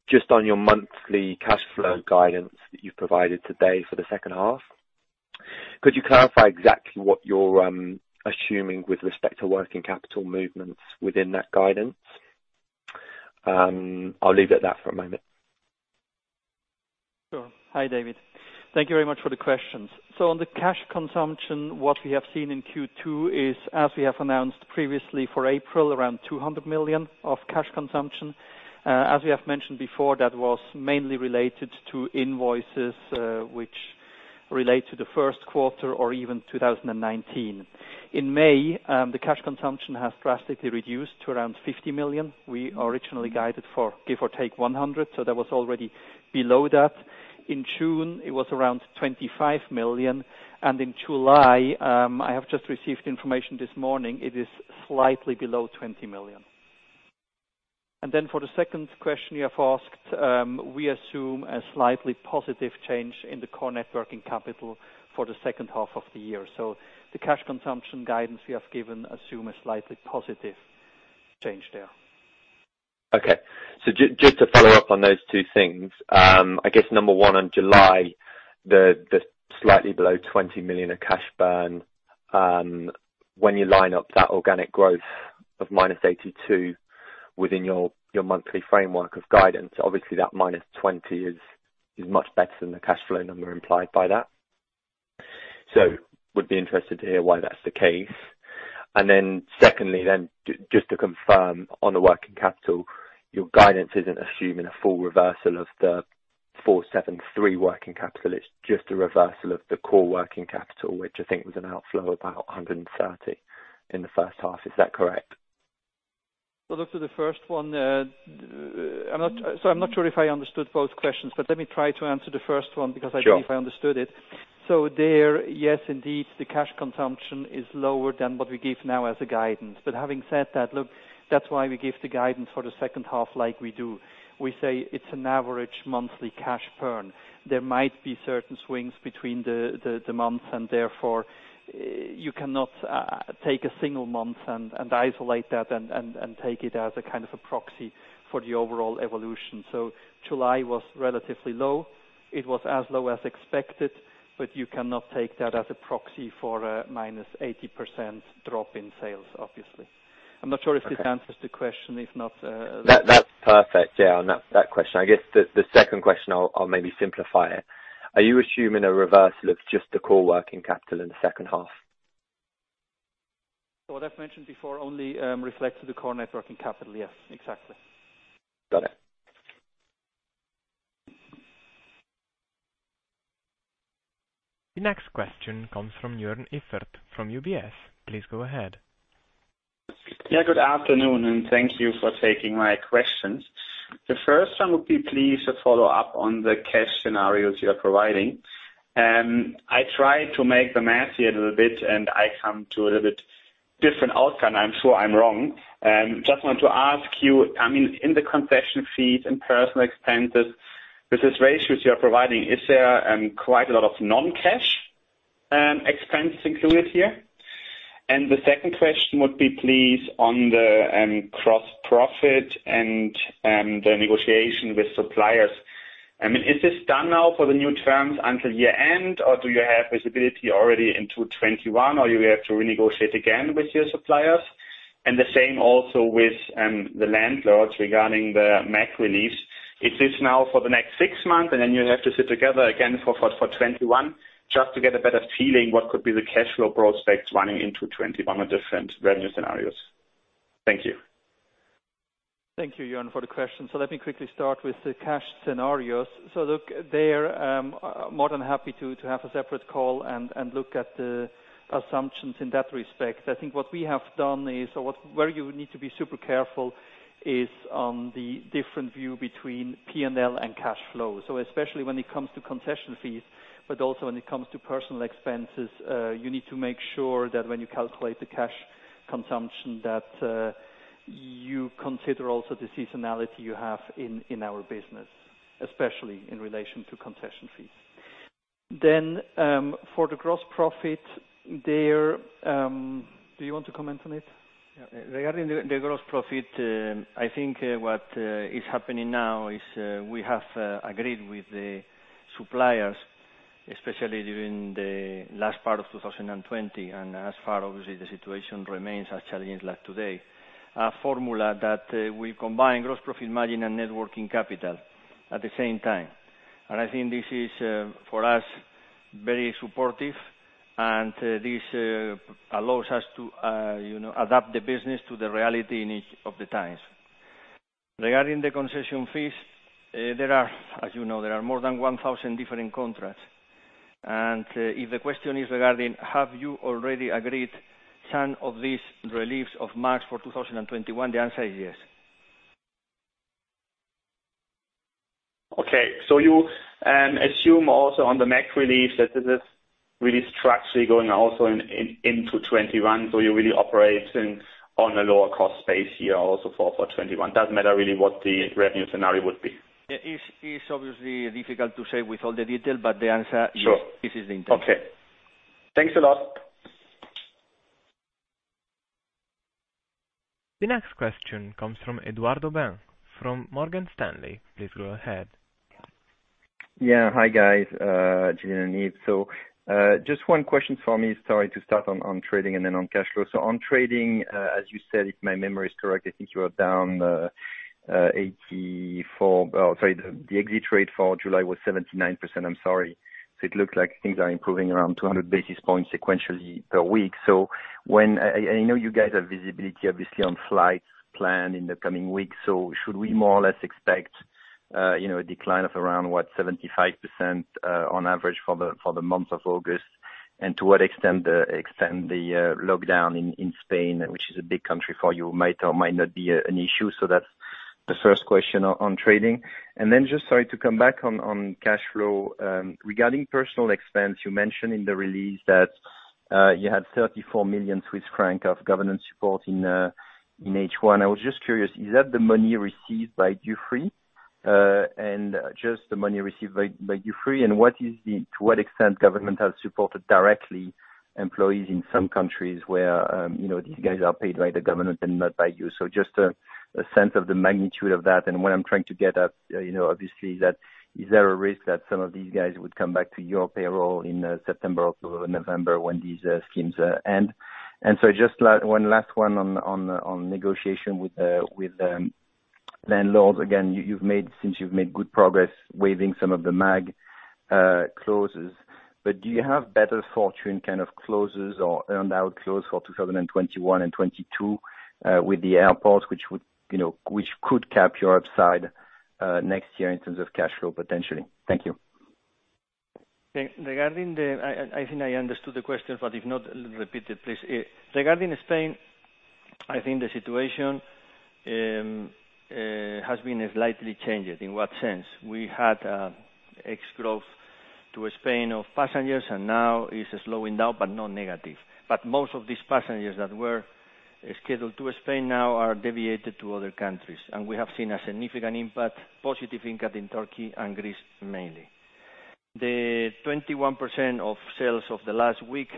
Just on your monthly cash flow guidance that you've provided today for the second half, could you clarify exactly what you're assuming with respect to working capital movements within that guidance? I'll leave it at that for a moment. Sure. Hi, David. Thank you very much for the questions. On the cash consumption, what we have seen in Q2 is, as we have announced previously for April, around 200 million of cash consumption. As we have mentioned before, that was mainly related to invoices, which relate to the first quarter or even 2019. In May, the cash consumption has drastically reduced to around 50 million. We originally guided for give or take 100, so that was already below that. In June, it was around 25 million. In July, I have just received information this morning, it is slightly below 20 million. For the second question you have asked, we assume a slightly positive change in the core net working capital for the second half of the year. The cash consumption guidance we have given assume a slightly positive change there. Okay. Just to follow up on those two things. I guess number one on July, the slightly below 20 million of cash burn, when you line up that organic growth of -82 within your monthly framework of guidance, obviously that -20 is much better than the cash flow number implied by that. Would be interested to hear why that's the case. Secondly then, just to confirm on the working capital, your guidance isn't assuming a full reversal of the 473 working capital. It's just a reversal of the core working capital, which I think was an outflow about 130 in the first half. Is that correct? Look, for the first one, so I'm not sure if I understood both questions, but let me try to answer the first one because I believe I understood it. Sure. There, yes, indeed, the cash consumption is lower than what we give now as a guidance. Having said that, look, that's why we give the guidance for the second half like we do. We say it's an average monthly cash burn. There might be certain swings between the months, and therefore, you cannot take a single month and isolate that and take it as a kind of a proxy for the overall evolution. July was relatively low. It was as low as expected, but you cannot take that as a proxy for a -80% drop in sales, obviously. I'm not sure if this answers the question. If not. That's perfect, yeah, on that question. I guess the second question, I'll maybe simplify it. Are you assuming a reversal of just the core working capital in the second half? What I've mentioned before only reflects the core net working capital. Yes, exactly. Got it. The next question comes from Joern Iffert from UBS. Please go ahead. Yeah, good afternoon. Thank you for taking my questions. The first one would be please to follow up on the cash scenarios you are providing. I tried to make the math here a little bit. I come to a little bit different outcome. I'm sure I'm wrong. Just want to ask you, in the concession fees and personal expenses, with these ratios you are providing, is there quite a lot of non-cash expenses included here? The second question would be, please, on the gross profit and the negotiation with suppliers. Is this done now for the new terms until year-end, or do you have visibility already into 2021, or you have to renegotiate again with your suppliers? The same also with the landlords regarding the MAG reliefs. Is this now for the next six months, and then you have to sit together again for 2021 just to get a better feeling what could be the cash flow prospects running into 2021 on different revenue scenarios? Thank you. Thank you, Jörn, for the question. let me quickly start with the cash scenarios. look, there, more than happy to have a separate call and look at the assumptions in that respect. I think what we have done is or where you need to be super careful is on the different view between P&L and cash flow. especially when it comes to concession fees, but also when it comes to personal expenses, you need to make sure that when you calculate the cash consumption, that you consider also the seasonality you have in our business, especially in relation to concession fees. for the gross profit there, do you want to comment on it? Yeah. Regarding the gross profit, I think what is happening now is we have agreed with the suppliers, especially during the last part of 2020, and as far obviously the situation remains as challenging like today, a formula that will combine gross profit margin and net working capital at the same time. I think this is, for us, very supportive and this allows us to adapt the business to the reality in each of the times. Regarding the concession fees, as you know, there are more than 1,000 different contracts. If the question is regarding have you already agreed some of these reliefs of March for 2021, the answer is yes. Okay. You assume also on the MAG relief that this is really structurally going also into 2021. You're really operating on a lower cost base here also for 2021. Doesn't matter really what the revenue scenario would be. It's obviously difficult to say with all the detail, but the answer is this is the intention. Okay. Thanks a lot. The next question comes from Eduardo Aubin from Morgan Stanley. Please go ahead. Yeah. Hi, guys. Julián Just one question for me, sorry, to start on trading and then on cash flow. On trading, as you said, if my memory is correct, I think you are down 84. Oh, sorry, the exit rate for July was 79%. I'm sorry. It looked like things are improving around 200 basis points sequentially per week. I know you guys have visibility, obviously, on flights planned in the coming weeks. Should we more or less expect a decline of around, what, 75% on average for the month of August? To what extent the lockdown in Spain, which is a big country for you, might or might not be an issue? That's the first question on trading. Just sorry to come back on cash flow. Regarding personal expense, you mentioned in the release that you had 34 million Swiss francs of governance support in H1. I was just curious, is that the money received by Dufry? Just the money received by Dufry? To what extent government has supported, directly, employees in some countries where these guys are paid by the government and not by you? Just a sense of the magnitude of that, and what I'm trying to get at, obviously, is there a risk that some of these guys would come back to your payroll in September or November when these schemes end? Just one last one on negotiation with landlords. Again, since you've made good progress waiving some of the MAG clauses. Do you have better fortune clauses or earned out clauses for 2021 and 2022, with the airports, which could cap your upside next year in terms of cash flow, potentially? Thank you. I think I understood the question, but if not, repeat it, please. Regarding Spain, I think the situation has been slightly changed. In what sense? We had ex-growth to Spain of passengers, and now it's slowing down, but not negative. Most of these passengers that were scheduled to Spain now are deviated to other countries. We have seen a significant impact, positive impact, in Turkey and Greece, mainly. The 21% of sales of the last week,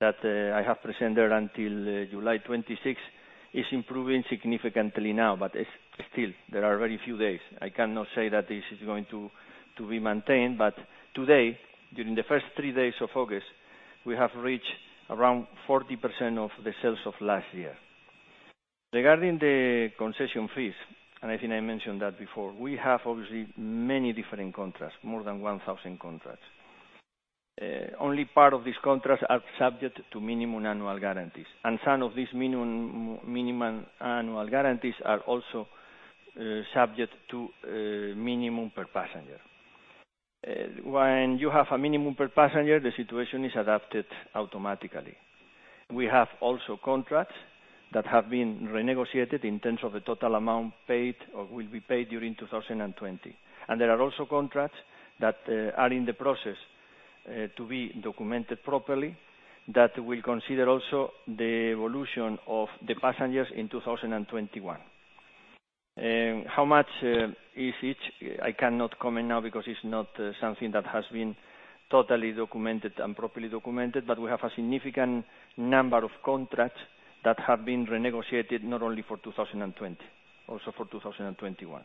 that I have presented until July 26, is improving significantly now, but still, there are very few days. I cannot say that this is going to be maintained. Today, during the first three days of August, we have reached around 40% of the sales of last year. Regarding the concession fees, and I think I mentioned that before, we have obviously many different contracts, more than 1,000 contracts. Only part of these contracts are subject to minimum annual guarantees. Some of these minimum annual guarantees are also subject to minimum per passenger. When you have a minimum per passenger, the situation is adapted automatically. We have also contracts that have been renegotiated in terms of the total amount paid or will be paid during 2020. There are also contracts that are in the process to be documented properly, that will consider also the evolution of the passengers in 2021. How much is it? I cannot comment now because it's not something that has been totally documented and properly documented, but we have a significant number of contracts that have been renegotiated not only for 2020, also for 2021.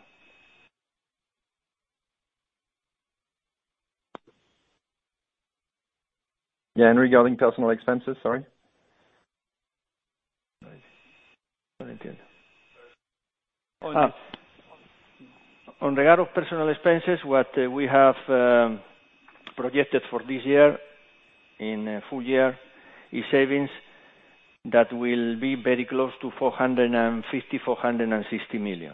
Yeah, regarding personal expenses, sorry. In regard of personal expenses, what we have projected for this year, in full year, is savings that will be very close to 450 million, 460 million.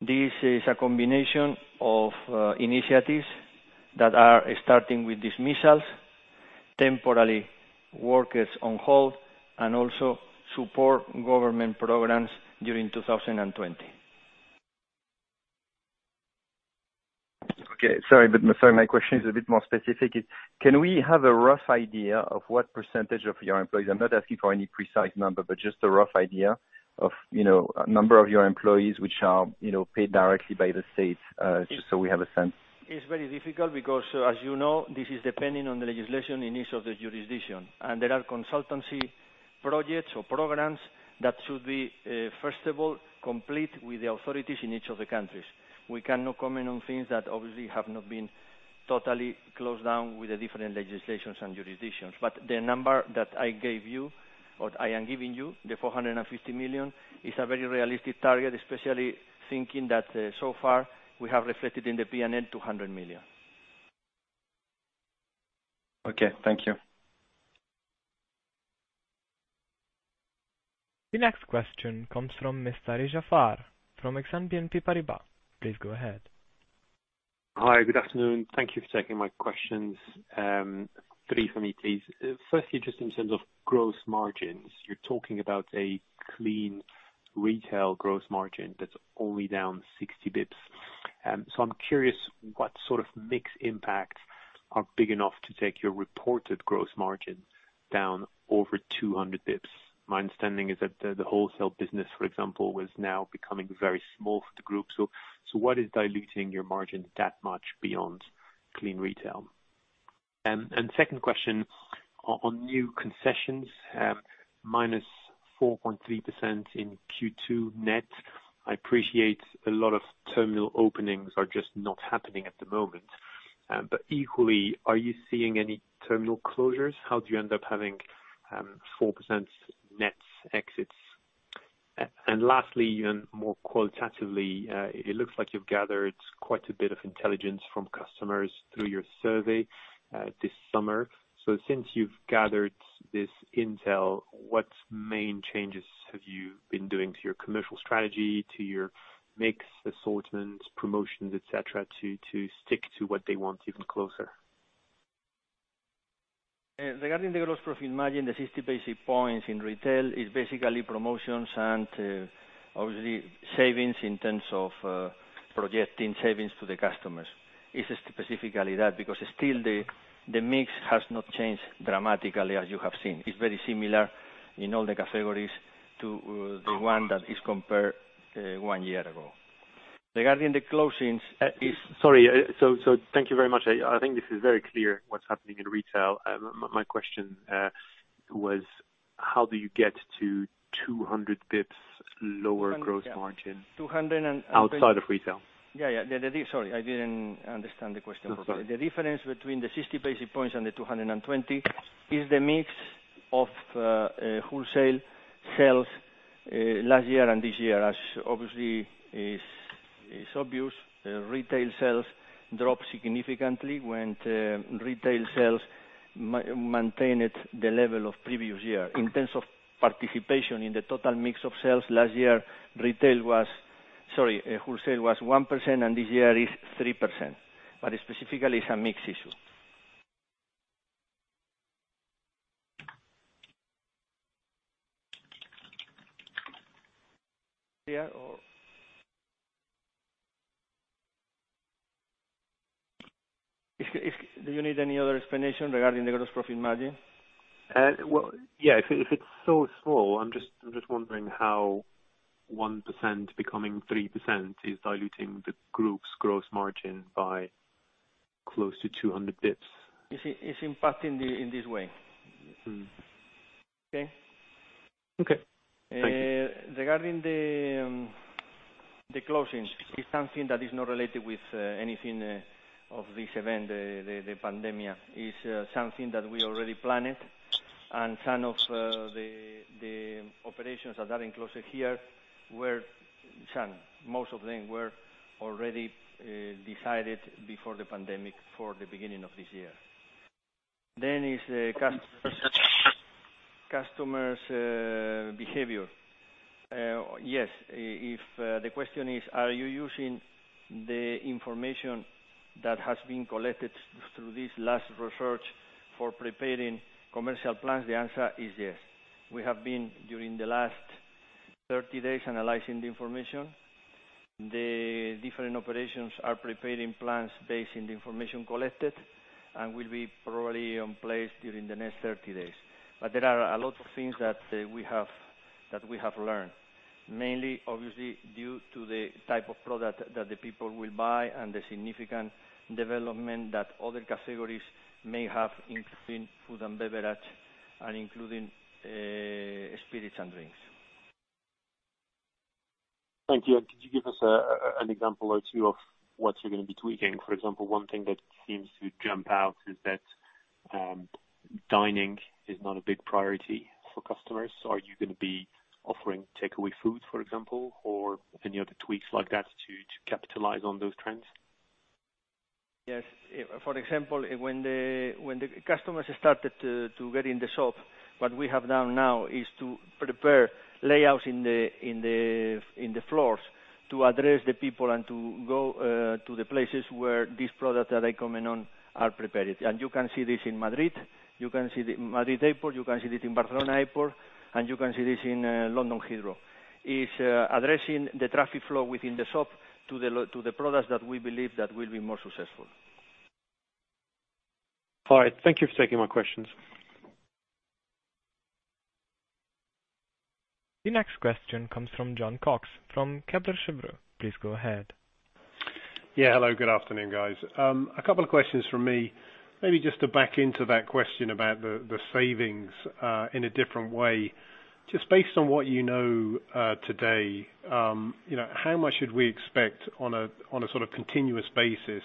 This is a combination of initiatives that are starting with dismissals, temporary workers on hold, and also support government programs during 2020. Okay. Sorry, my question is a bit more specific. Can we have a rough idea of what percentage of your employees, I'm not asking for any precise number, but just a rough idea of a number of your employees which are paid directly by the state, just so we have a sense. It's very difficult because, as you know, this is depending on the legislation in each of the jurisdiction. There are consultancy projects or programs that should be, first of all, complete with the authorities in each of the countries. We cannot comment on things that obviously have not been totally closed down with the different legislations and jurisdictions. The number that I gave you, or I am giving you, the 450 million, is a very realistic target, especially thinking that so far we have reflected in the P&L 200 million. Okay. Thank you. The next question comes from Mr. Jaafar Mestari from Exane BNP Paribas. Please go ahead. Hi. Good afternoon. Thank you for taking my questions. Three for me, please. Firstly, just in terms of gross margins, you're talking about a clean retail gross margin that's only down 60 basis points. I'm curious what sort of mix impacts are big enough to take your reported gross margins down over 200 basis points? My understanding is that the wholesale business, for example, was now becoming very small for the group. What is diluting your margins that much beyond clean retail? Second question, on new concessions, -4.3% in Q2 net. I appreciate a lot of terminal openings are just not happening at the moment. Equally, are you seeing any terminal closures? How do you end up having 4% net exits? Lastly, and more qualitatively, it looks like you've gathered quite a bit of intelligence from customers through your survey this summer. Since you've gathered this intel, what main changes have you been doing to your commercial strategy, to your mix assortment, promotions, et cetera, to stick to what they want even closer? Regarding the gross profit margin, the 60 basis points in retail is basically promotions and, obviously, savings in terms of projecting savings to the customers. It's specifically that, because still the mix has not changed dramatically as you have seen. It's very similar in all the categories to the one that is compared one year ago. Regarding the closings, Sorry. Thank you very much. I think this is very clear what's happening in retail. My question was, how do you get to 200 basis points lower gross margin. 200. Outside of retail? Yeah. Sorry, I didn't understand the question. That's all right. The difference between the 60 basis points and the 220 is the mix of wholesale sales last year and this year. As obvious, retail sales dropped significantly when retail sales maintained the level of the previous year. In terms of participation in the total mix of sales, last year, wholesale was 1%, and this year is 3%. Specifically, it's a mix issue. Do you need any other explanation regarding the gross profit margin? Well, yeah. If it's so small, I'm just wondering how 1% becoming 3% is diluting the group's gross margin by close to 200 basis points. It's impacting in this way. Okay? Okay. Thank you. Regarding the closings, it's something that is not related with anything of this event, the pandemic. It's something that we already planned. Some of the operations that are closing here, most of them were already decided before the pandemic for the beginning of this year. It's customer's behavior. Yes, if the question is, are you using the information that has been collected through this last research for preparing commercial plans? The answer is yes. We have been, during the last 30 days, analyzing the information. The different operations are preparing plans based on the information collected and will be probably in place during the next 30 days. There are a lot of things that we have learned. Mainly, obviously, due to the type of product that the people will buy and the significant development that other categories may have, including food and beverage and including spirits and drinks. Thank you. Could you give us an example or two of what you're going to be tweaking? For example, one thing that seems to jump out is that dining is not a big priority for customers. Are you going to be offering takeaway food, for example, or any other tweaks like that to capitalize on those trends? Yes. For example, when the customers started to get in the shop, what we have done now is to prepare layouts in the floors to address the people and to go to the places where these products that I commented on are prepared. You can see this in Madrid Airport, you can see this in Barcelona Airport, and you can see this in London Heathrow. It's addressing the traffic flow within the shop to the products that we believe that will be more successful. All right. Thank you for taking my questions. The next question comes from Jon Cox from Kepler Cheuvreux. Please go ahead. Yeah. Hello, good afternoon, guys. A couple of questions from me. Maybe just to back into that question about the savings, in a different way. Just based on what you know today, how much should we expect on a sort of continuous basis,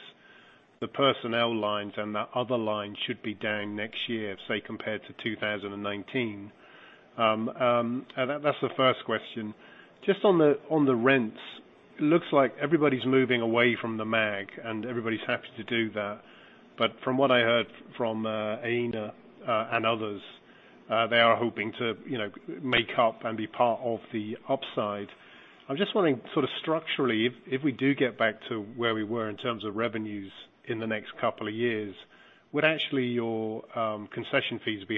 the personnel lines and that other line should be down next year, say, compared to 2019? That's the first question. Just on the rents, it looks like everybody's moving away from the MAG, and everybody's happy to do that. From what I heard from Aena and others, they are hoping to make up and be part of the upside. I'm just wondering structurally, if we do get back to where we were in terms of revenues in the next couple of years, would actually your concession fees be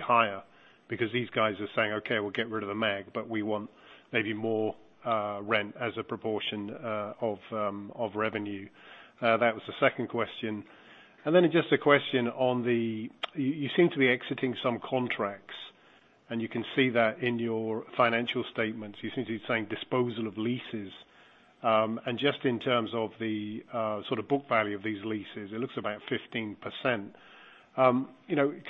higherThese guys are saying, "Okay, we'll get rid of the MAG, but we want maybe more rent as a proportion of revenue." That was the second question. Just a question. You seem to be exiting some contracts, and you can see that in your financial statements. You seem to be saying disposal of leases. Just in terms of the sort of book value of these leases, it looks about 15%. Can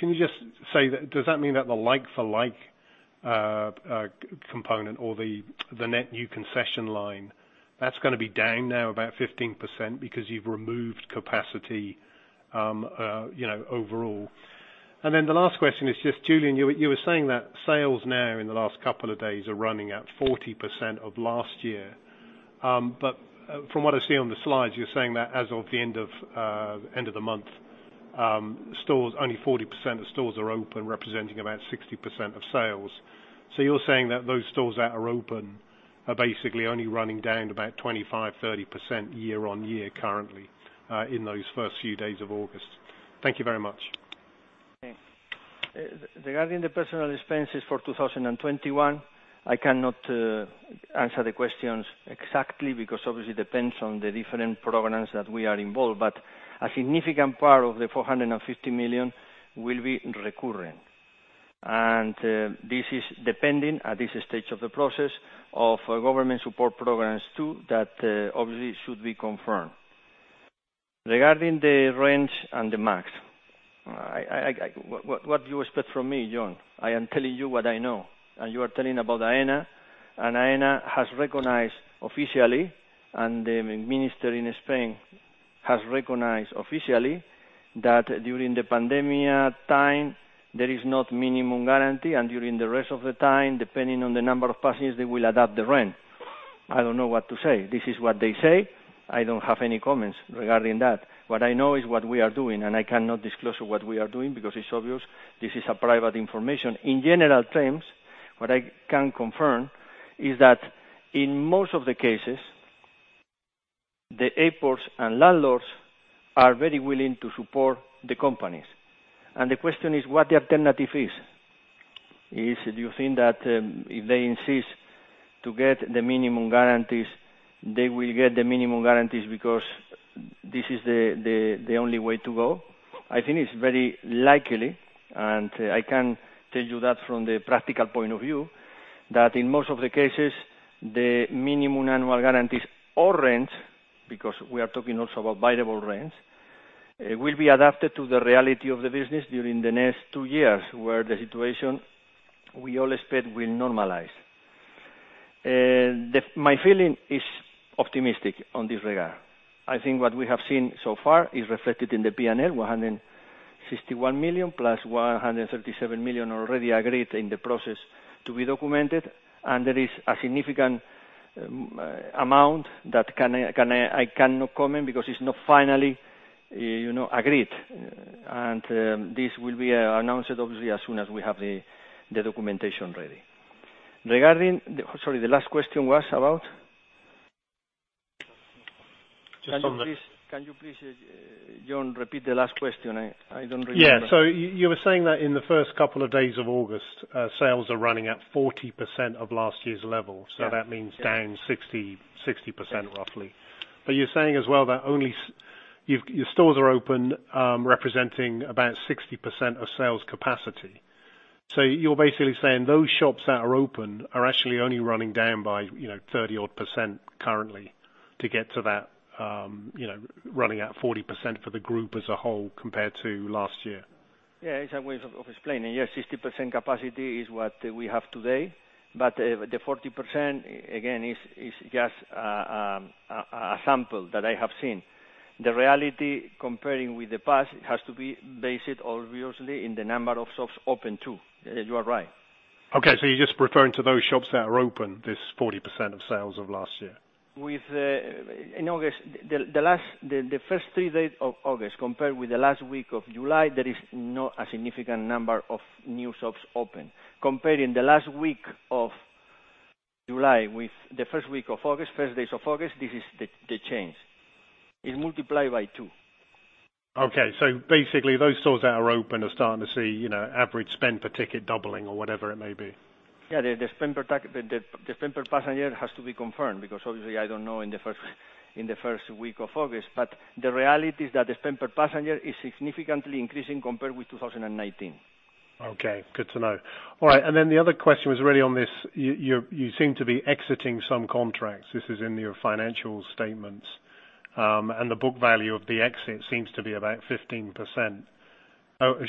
you just say that, does that mean that the like-for-like component or the net new concession line, that's going to be down now about 15% because you've removed capacity overall? The last question is just, Julian, you were saying the sales now in the last couple of days are running at 40% of last year but, from what I see on the slides, you're saying that as of the end of the month, only 40% of stores are open, representing about 60% of sales. You're saying that those stores that are open are basically only running down to about 25%, 30% year-over-year currently in those first few days of August. Thank you very much. Okay. Regarding the personal expenses for 2021, I cannot answer the questions exactly, because obviously it depends on the different programs that we are involved, but a significant part of the 450 million will be recurring. This is depending, at this stage of the process, of government support programs too, that obviously should be confirmed. Regarding the range and the MAGs, what do you expect from me, Jon? I am telling you what I know, and you are telling about Aena, and Aena has recognized officially, and the minister in Spain has recognized officially, that during the pandemic time, there is not minimum guarantee, and during the rest of the time, depending on the number of passengers, they will adapt the rent. I don't know what to say. This is what they say. I don't have any comments regarding that. What I know is what we are doing. I cannot disclose what we are doing because it's obvious this is a private information. In general terms, what I can confirm is that in most of the cases, the airports and landlords are very willing to support the companies. The question is, what the alternative is. Do you think that if they insist to get the minimum guarantees, they will get the minimum guarantees because this is the only way to go? I think it's very likely. I can tell you that from the practical point of view, that in most of the cases, the minimum annual guarantees or rent, because we are talking also about variable rents, will be adapted to the reality of the business during the next two years, where the situation, we all expect will normalize. My feeling is optimistic on this regard. I think what we have seen so far is reflected in the P&L, 161 million plus 137 million already agreed in the process to be documented. There is a significant amount that I cannot comment because it's not finally agreed. This will be announced, obviously, as soon as we have the documentation ready. Sorry, the last question was about? Just on the- Can you please, Jon, repeat the last question? I don't remember. Yeah. You were saying that in the first couple of days of August, sales are running at 40% of last year's level. Yeah. That means down 60% roughly. You're saying as well that only your stores are open, representing about 60% of sales capacity. You're basically saying those shops that are open are actually only running down by 30-odd percent currently to get to that, running at 40% for the group as a whole compared to last year. Yeah, it's a way of explaining. Yes, 60% capacity is what we have today, but the 40%, again, is just a sample that I have seen. The reality, comparing with the past, has to be based obviously in the number of shops open too. You are right. Okay. You're just referring to those shops that are open, this 40% of sales of last year. In August, the first three days of August, compared with the last week of July, there is not a significant number of new shops open. Comparing the last week of July with the first week of August, first days of August, this is the change. It multiplied by two. Okay. Basically, those stores that are open are starting to see average spend per ticket doubling or whatever it may be. The spend per passenger has to be confirmed because obviously I don't know in the first week of August. The reality is that the spend per passenger is significantly increasing compared with 2019. Okay. Good to know. All right, the other question was really on this, you seem to be exiting some contracts. This is in your financial statements. The book value of the exit seems to be about 15%.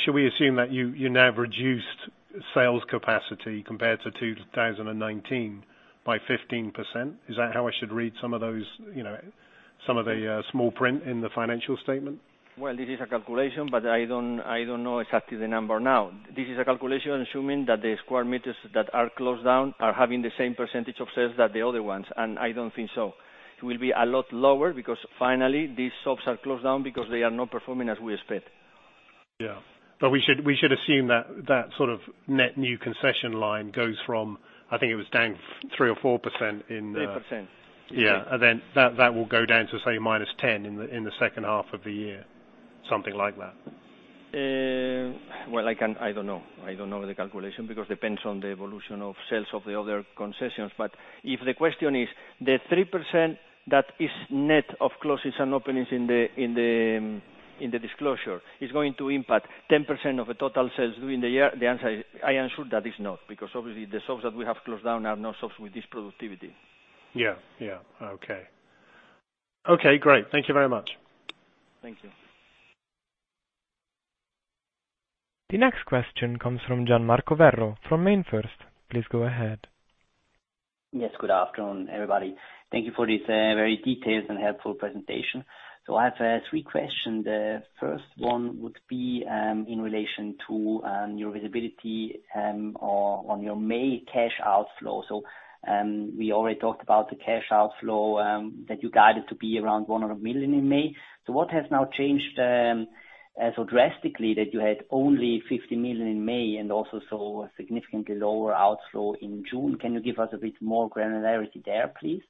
Should we assume that you now have reduced sales capacity compared to 2019 by 15%? Is that how I should read some of the small print in the financial statement? Well, this is a calculation, but I don't know exactly the number now. This is a calculation assuming that the square meters that are closed down are having the same percentage of sales that the other ones, and I don't think so. It will be a lot lower because finally, these shops are closed down because they are not performing as we expect. Yeah. We should assume that sort of net new concession line goes from, I think it was down 3% or 4%. 3%. Yeah. That will go down to, say, -10 in the second half of the year, something like that. Well, I don't know. I don't know the calculation because depends on the evolution of sales of the other concessions. If the question is the 3% that is net of closes and openings in the disclosure is going to impact 10% of the total sales during the year, the answer is, I ensure that is not, because obviously the shops that we have closed down are no shops with this productivity. Yeah. Okay. Okay, great. Thank you very much. Thank you. The next question comes from Gian-Marco Werro from MainFirst. Please go ahead. Yes, good afternoon, everybody. Thank you for this very detailed and helpful presentation. I have three questions. The first one would be, in relation to your visibility, on your May cash outflow. We already talked about the cash outflow, that you guided to be around 100 million in May. What has now changed so drastically that you had only 50 million in May and also saw a significantly lower outflow in June? Can you give us a bit more granularity there, please?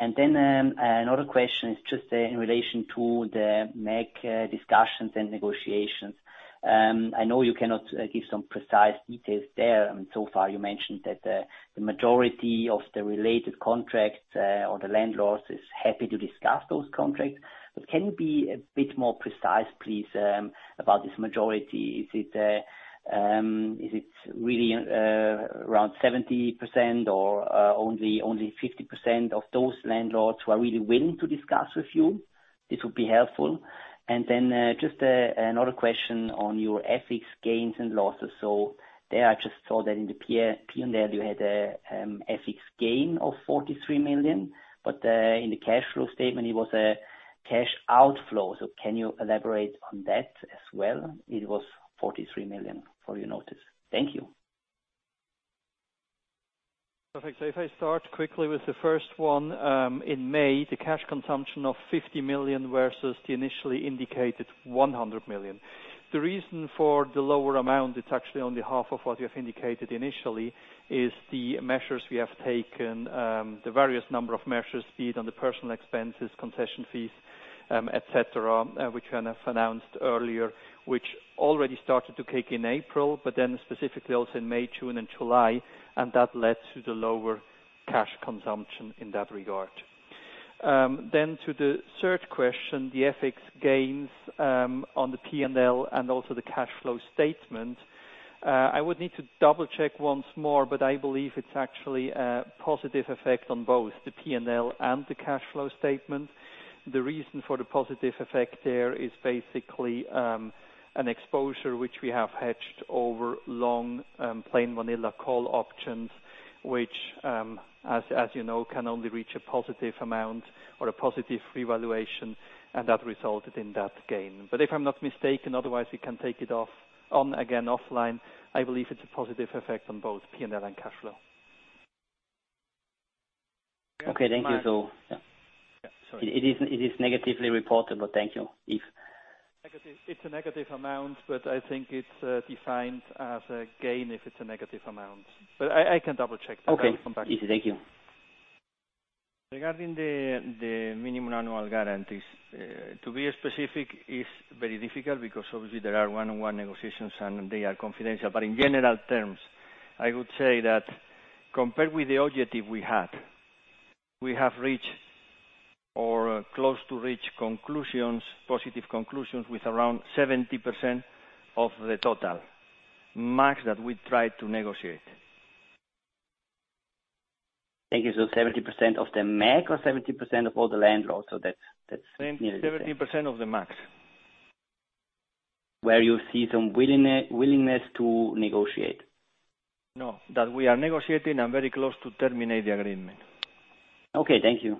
Another question is just in relation to the MAG discussions and negotiations. I know you cannot give some precise details there. You mentioned that the majority of the related contracts or the landlords is happy to discuss those contracts, but can you be a bit more precise, please, about this majority? Is it really around 70% or only 50% of those landlords who are really willing to discuss with you? This would be helpful. Just another question on your FX gains and losses. There I just saw that in the P&L, you had a FX gain of 43 million, but in the cash flow statement, it was a cash outflow. Can you elaborate on that as well? It was 43 million for your notice. Thank you. Perfect. If I start quickly with the first one, in May, the cash consumption of 50 million versus the initially indicated 100 million. The reason for the lower amount, it's actually only half of what we have indicated initially, is the measures we have taken, the various number of measures, be it on the personal expenses, concession fees, et cetera, which I have announced earlier, which already started to kick in April, but then specifically also in May, June, and July, and that led to the lower cash consumption in that regard. To the third question, the FX gains, on the P&L and also the cash flow statement. I would need to double-check once more, but I believe it's actually a positive effect on both the P&L and the cash flow statement. The reason for the positive effect there is basically, an exposure which we have hedged over long, plain vanilla call options, which, as you know, can only reach a positive amount or a positive revaluation, and that resulted in that gain. If I'm not mistaken, otherwise, we can take it offline. I believe it's a positive effect on both P&L and cash flow. Okay. Thank you. Yeah. Sorry. It is negatively reported, thank you, Yves. It's a negative amount, but I think it's defined as a gain if it's a negative amount. I can double-check that. Okay. I'll come back to you. Easy. Thank you. Regarding the minimum annual guarantees, to be specific is very difficult because obviously there are one-on-one negotiations and they are confidential. In general terms, I would say that compared with the objective we had, we have reached or close to reach positive conclusions with around 70% of the total MAG that we tried to negotiate. Thank you. 70% of the MAG or 70% of all the landlords? 70% of the MAG. Where you see some willingness to negotiate? No. That we are negotiating and very close to terminate the agreement. Okay. Thank you.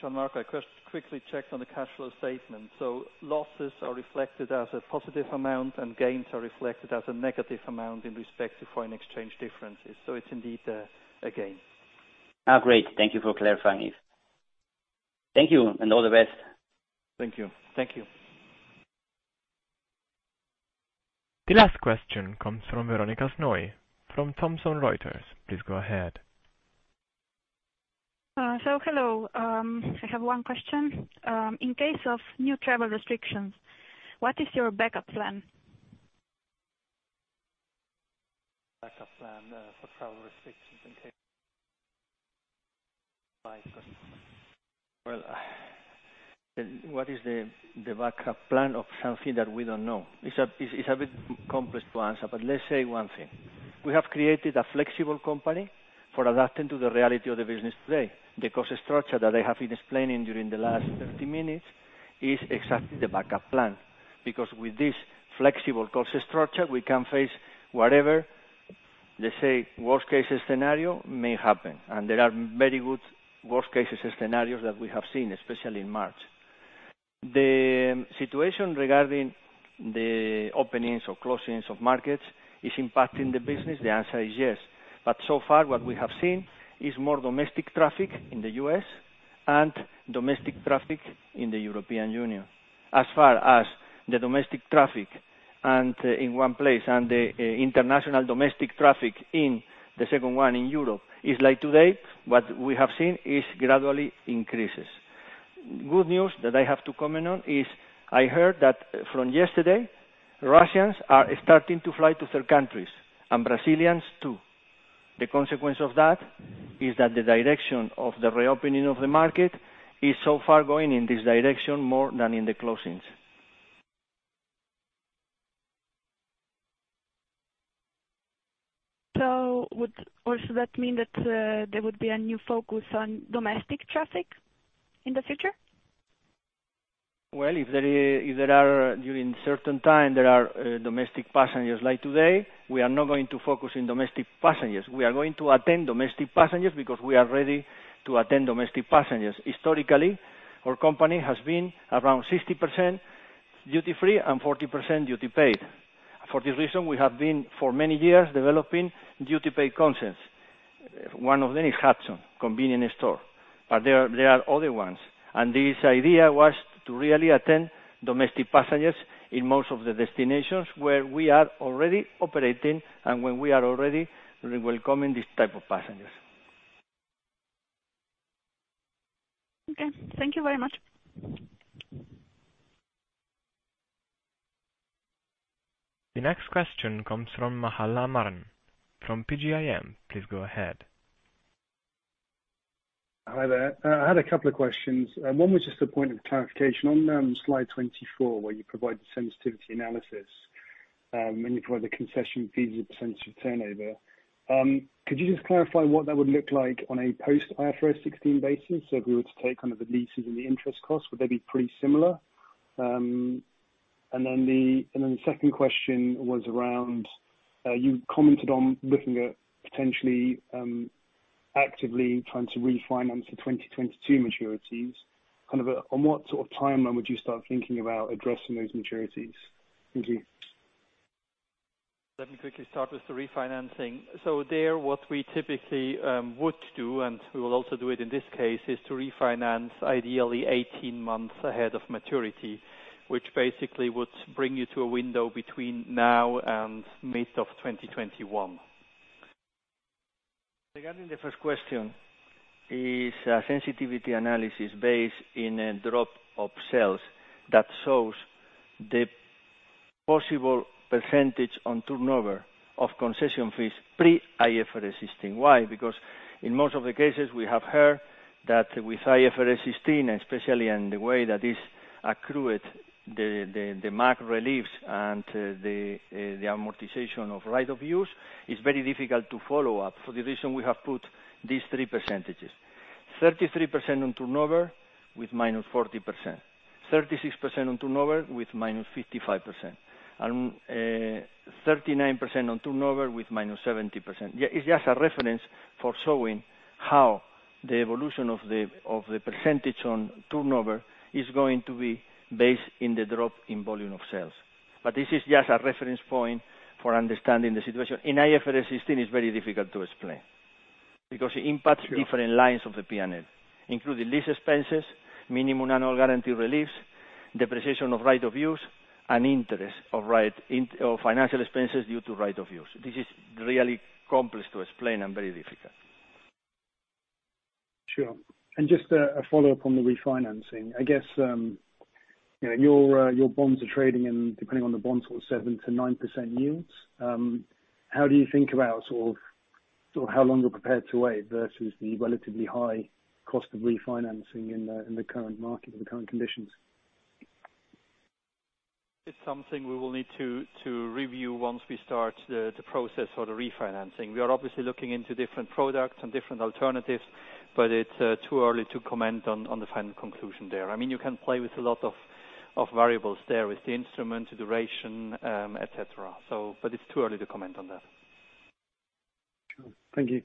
Gian-Marco, I just quickly checked on the cash flow statement. Losses are reflected as a positive amount and gains are reflected as a negative amount in respect to foreign exchange differences. It's indeed a gain. Oh, great. Thank you for clarifying, Yves. Thank you, and all the best. Thank you. Thank you. The last question comes from Veronica Snoj from Thomson Reuters. Please go ahead. Hello. I have one question. In case of new travel restrictions, what is your backup plan? Backup plan for travel restrictions in case. Well, what is the backup plan of something that we don't know? It is a bit complex to answer, but let's say one thing. We have created a flexible company for adapting to the reality of the business today. The cost structure that I have been explaining during the last 30 minutes is exactly the backup plan, because with this flexible cost structure, we can face whatever, let's say, worst case scenario may happen. There are very good worst case scenarios that we have seen, especially in March. The situation regarding the openings or closings of markets is impacting the business. The answer is yes. So far what we have seen is more domestic traffic in the U.S. and domestic traffic in the European Union. As far as the domestic traffic and in one place and the international domestic traffic in the second one in Europe is like today, what we have seen is gradually increases. Good news that I have to comment on is I heard that from yesterday, Russians are starting to fly to third countries and Brazilians, too. The consequence of that is that the direction of the reopening of the market is so far going in this direction more than in the closings. Would also that mean that there would be a new focus on domestic traffic in the future? Well, if there are during certain time, there are domestic passengers like today, we are not going to focus on domestic passengers. We are going to attend domestic passengers because we are ready to attend domestic passengers. Historically, our company has been around 60% duty-free and 40% duty paid. For this reason, we have been for many years developing duty paid concepts. One of them is Hudson convenience store, but there are other ones. This idea was to really attend domestic passengers in most of the destinations where we are already operating and where we are already welcoming these type of passengers. Okay. Thank you very much. The next question comes from Mahal Aman PGIM. Please go ahead. Hi there. I had a couple of questions. One was just a point of clarification. On slide 24, where you provide the sensitivity analysis and you provide the concession fees as a percentage of turnover, could you just clarify what that would look like on a post IFRS 16 basis? If we were to take the leases and the interest costs, would they be pretty similar? The second question was around, you commented on looking at potentially actively trying to refinance the 2022 maturities. On what sort of time frame would you start thinking about addressing those maturities? Thank you. Let me quickly start with the refinancing. There, what we typically would do, and we will also do it in this case, is to refinance ideally 18 months ahead of maturity, which basically would bring you to a window between now and mid of 2021. Regarding the first question, is sensitivity analysis based on a drop in sales that shows the possible percentage on turnover of concession fees pre-IFRS 16. Why? Because in most of the cases, we have heard that with IFRS 16, especially in the way that is accrued, the MAG reliefs and the amortization of right of use is very difficult to follow up. For the reason we have put these three percentages: 33% on turnover with -40%, 36% on turnover with -55%, and 39% on turnover with -70%. It's just a reference for showing how the evolution of the percentage on turnover is going to be based on the drop in volume of sales. This is just a reference point for understanding the situation. In IFRS 16, it's very difficult to explain because it impacts different lines of the P&L, including lease expenses, minimum annual guarantee reliefs, depreciation of right of use, and financial expenses due to right of use. This is really complex to explain and very difficult. Sure. Just a follow-up on the refinancing. I guess, your bonds are trading and depending on the bond, sort of 7%-9% yields. How do you think about how long you're prepared to wait versus the relatively high cost of refinancing in the current market, the current conditions? It's something we will need to review once we start the process for the refinancing. We are obviously looking into different products and different alternatives, but it's too early to comment on the final conclusion there. You can play with a lot of variables there with the instrument, duration, et cetera, but it's too early to comment on that. Sure. Thank you.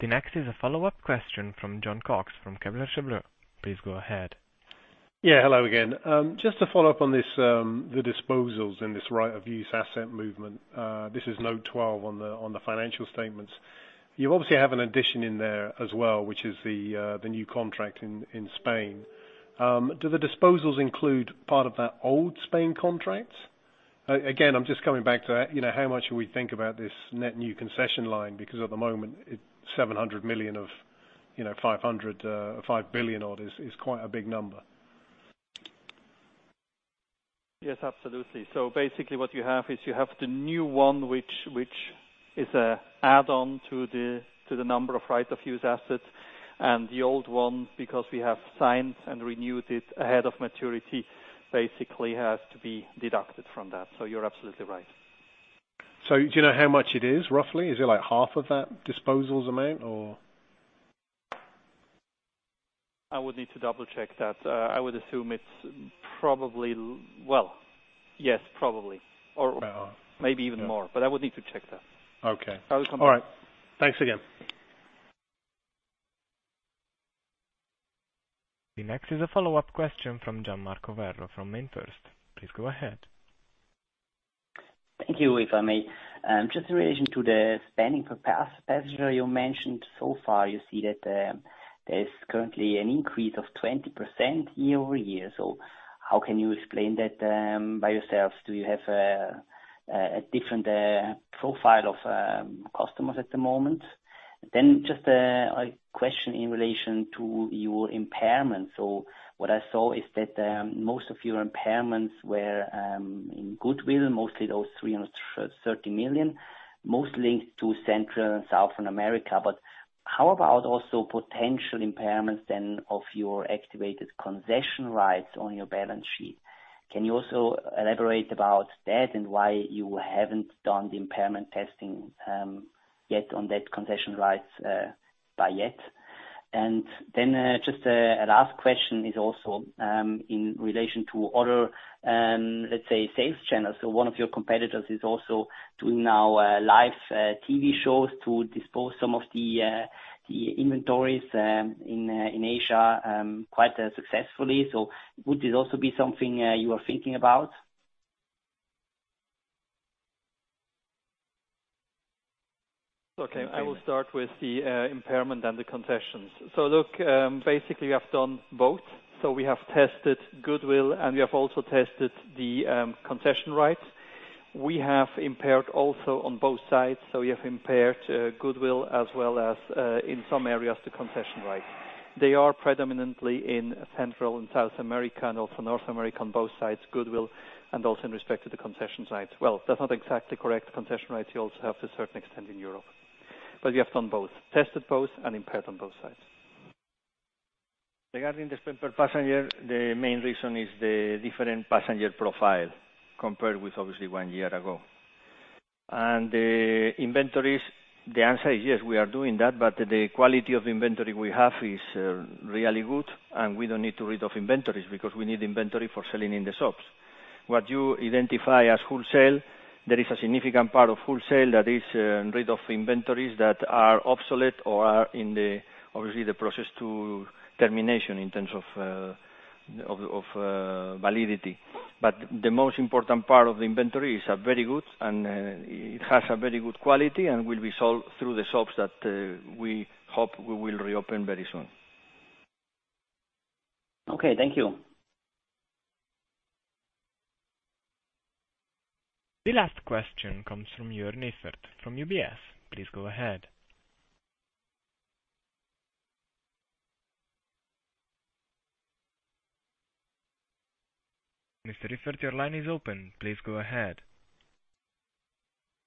The next is a follow-up question from Jon Cox from Kepler Cheuvreux. Please go ahead. Hello again. Just to follow up on the disposals and this right of use asset movement. This is node 12 on the financial statements. You obviously have an addition in there as well, which is the new contract in Spain. Do the disposals include part of that old Spain contract? I'm just coming back to how much should we think about this net new concession line, because at the moment, 700 million of 500, 5 billion odd is quite a big number. Yes, absolutely. Basically what you have is you have the new one, which is an add-on to the number of right of use assets, and the old one, because we have signed and renewed it ahead of maturity, basically has to be deducted from that. You're absolutely right. Do you know how much it is, roughly? Is it half of that disposals amount, or? I would need to double-check that. I would assume it's probably Well, yes, probably. Maybe even more, but I would need to check that. Okay. I will come back. All right. Thanks again. The next is a follow-up question from Gian-Marco Werro from MainFirst. Please go ahead. Thank you. If I may, just in relation to the spending per passenger, you mentioned so far you see that there is currently an increase of 20% year-over-year. How can you explain that by yourselves? Do you have a different profile of customers at the moment? Just a question in relation to your impairment. What I saw is that most of your impairments were in goodwill, mostly those 330 million, mostly to Central and South America. How about also potential impairments then of your activated concession rights on your balance sheet? Can you also elaborate about that and why you haven't done the impairment testing yet on that concession rights by yet? Just a last question is also in relation to other, let's say, sales channels. One of your competitors is also doing now live TV shows to dispose some of the inventories in Asia, quite successfully. Would this also be something you are thinking about? I will start with the impairment and the concessions. Look, basically we have done both. We have tested goodwill and we have also tested the concession rights. We have impaired also on both sides. We have impaired goodwill as well as, in some areas, the concession rights. They are predominantly in Central and South America and also North America on both sides, goodwill, and also in respect to the concession rights. That's not exactly correct. Concession rights you also have to a certain extent in Europe, but we have done both, tested both and impaired on both sides. Regarding the spend per passenger, the main reason is the different passenger profile compared with obviously one year ago. The inventories, the answer is yes, we are doing that, but the quality of inventory we have is really good, and we don't need to rid of inventories because we need inventory for selling in the shops. What you identify as wholesale, there is a significant part of wholesale that is rid of inventories that are obsolete or are in obviously the process to termination in terms of validity. The most important part of the inventory is very good, and it has a very good quality and will be sold through the shops that we hope we will reopen very soon. Okay. Thank you. The last question comes from Joern Iffert from UBS. Please go ahead. Mr. Iffert, your line is open. Please go ahead.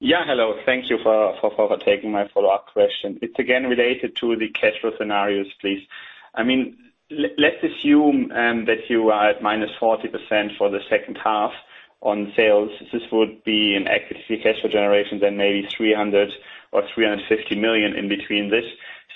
Yeah. Hello. Thank you for taking my follow-up question. It's again related to the cash flow scenarios, please. Let's assume that you are at -40% for the second half on sales. This would be an activity cash flow generation, then maybe 300 million or 350 million in between this.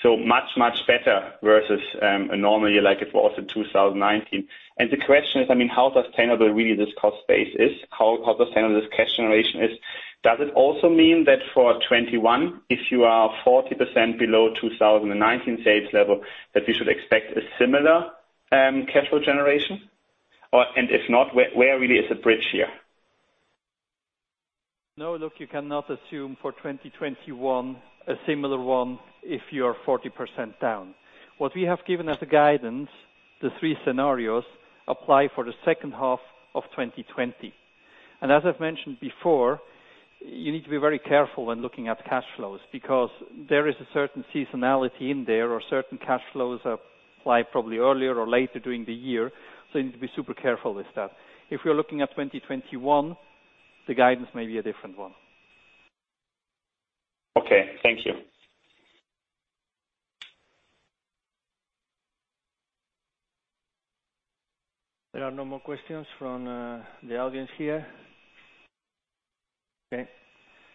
Much, much better versus a normal year like it was in 2019. The question is, how sustainable really this cost base is? How sustainable this cash generation is? Does it also mean that for 2021, if you are 40% below 2019 sales level, that we should expect a similar cash flow generation? If not, where really is the bridge here? No, look, you cannot assume for 2021 a similar one if you're 40% down. What we have given as a guidance, the three scenarios apply for the second half of 2020. As I've mentioned before, you need to be very careful when looking at cash flows because there is a certain seasonality in there or certain cash flows apply probably earlier or later during the year. You need to be super careful with that. If we're looking at 2021, the guidance may be a different one. Okay. Thank you. There are no more questions from the audience here. Okay,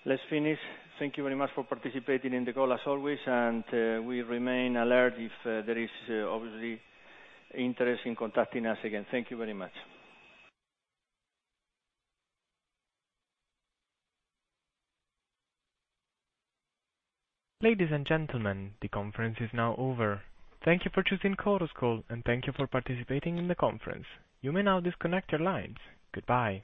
let's finish. Thank you very much for participating in the call as always, and we remain alert if there is obviously interest in contacting us again. Thank you very much. Ladies and gentlemen, the conference is now over. Thank you for choosing Chorus Call, and thank you for participating in the conference. You may now disconnect your lines. Goodbye.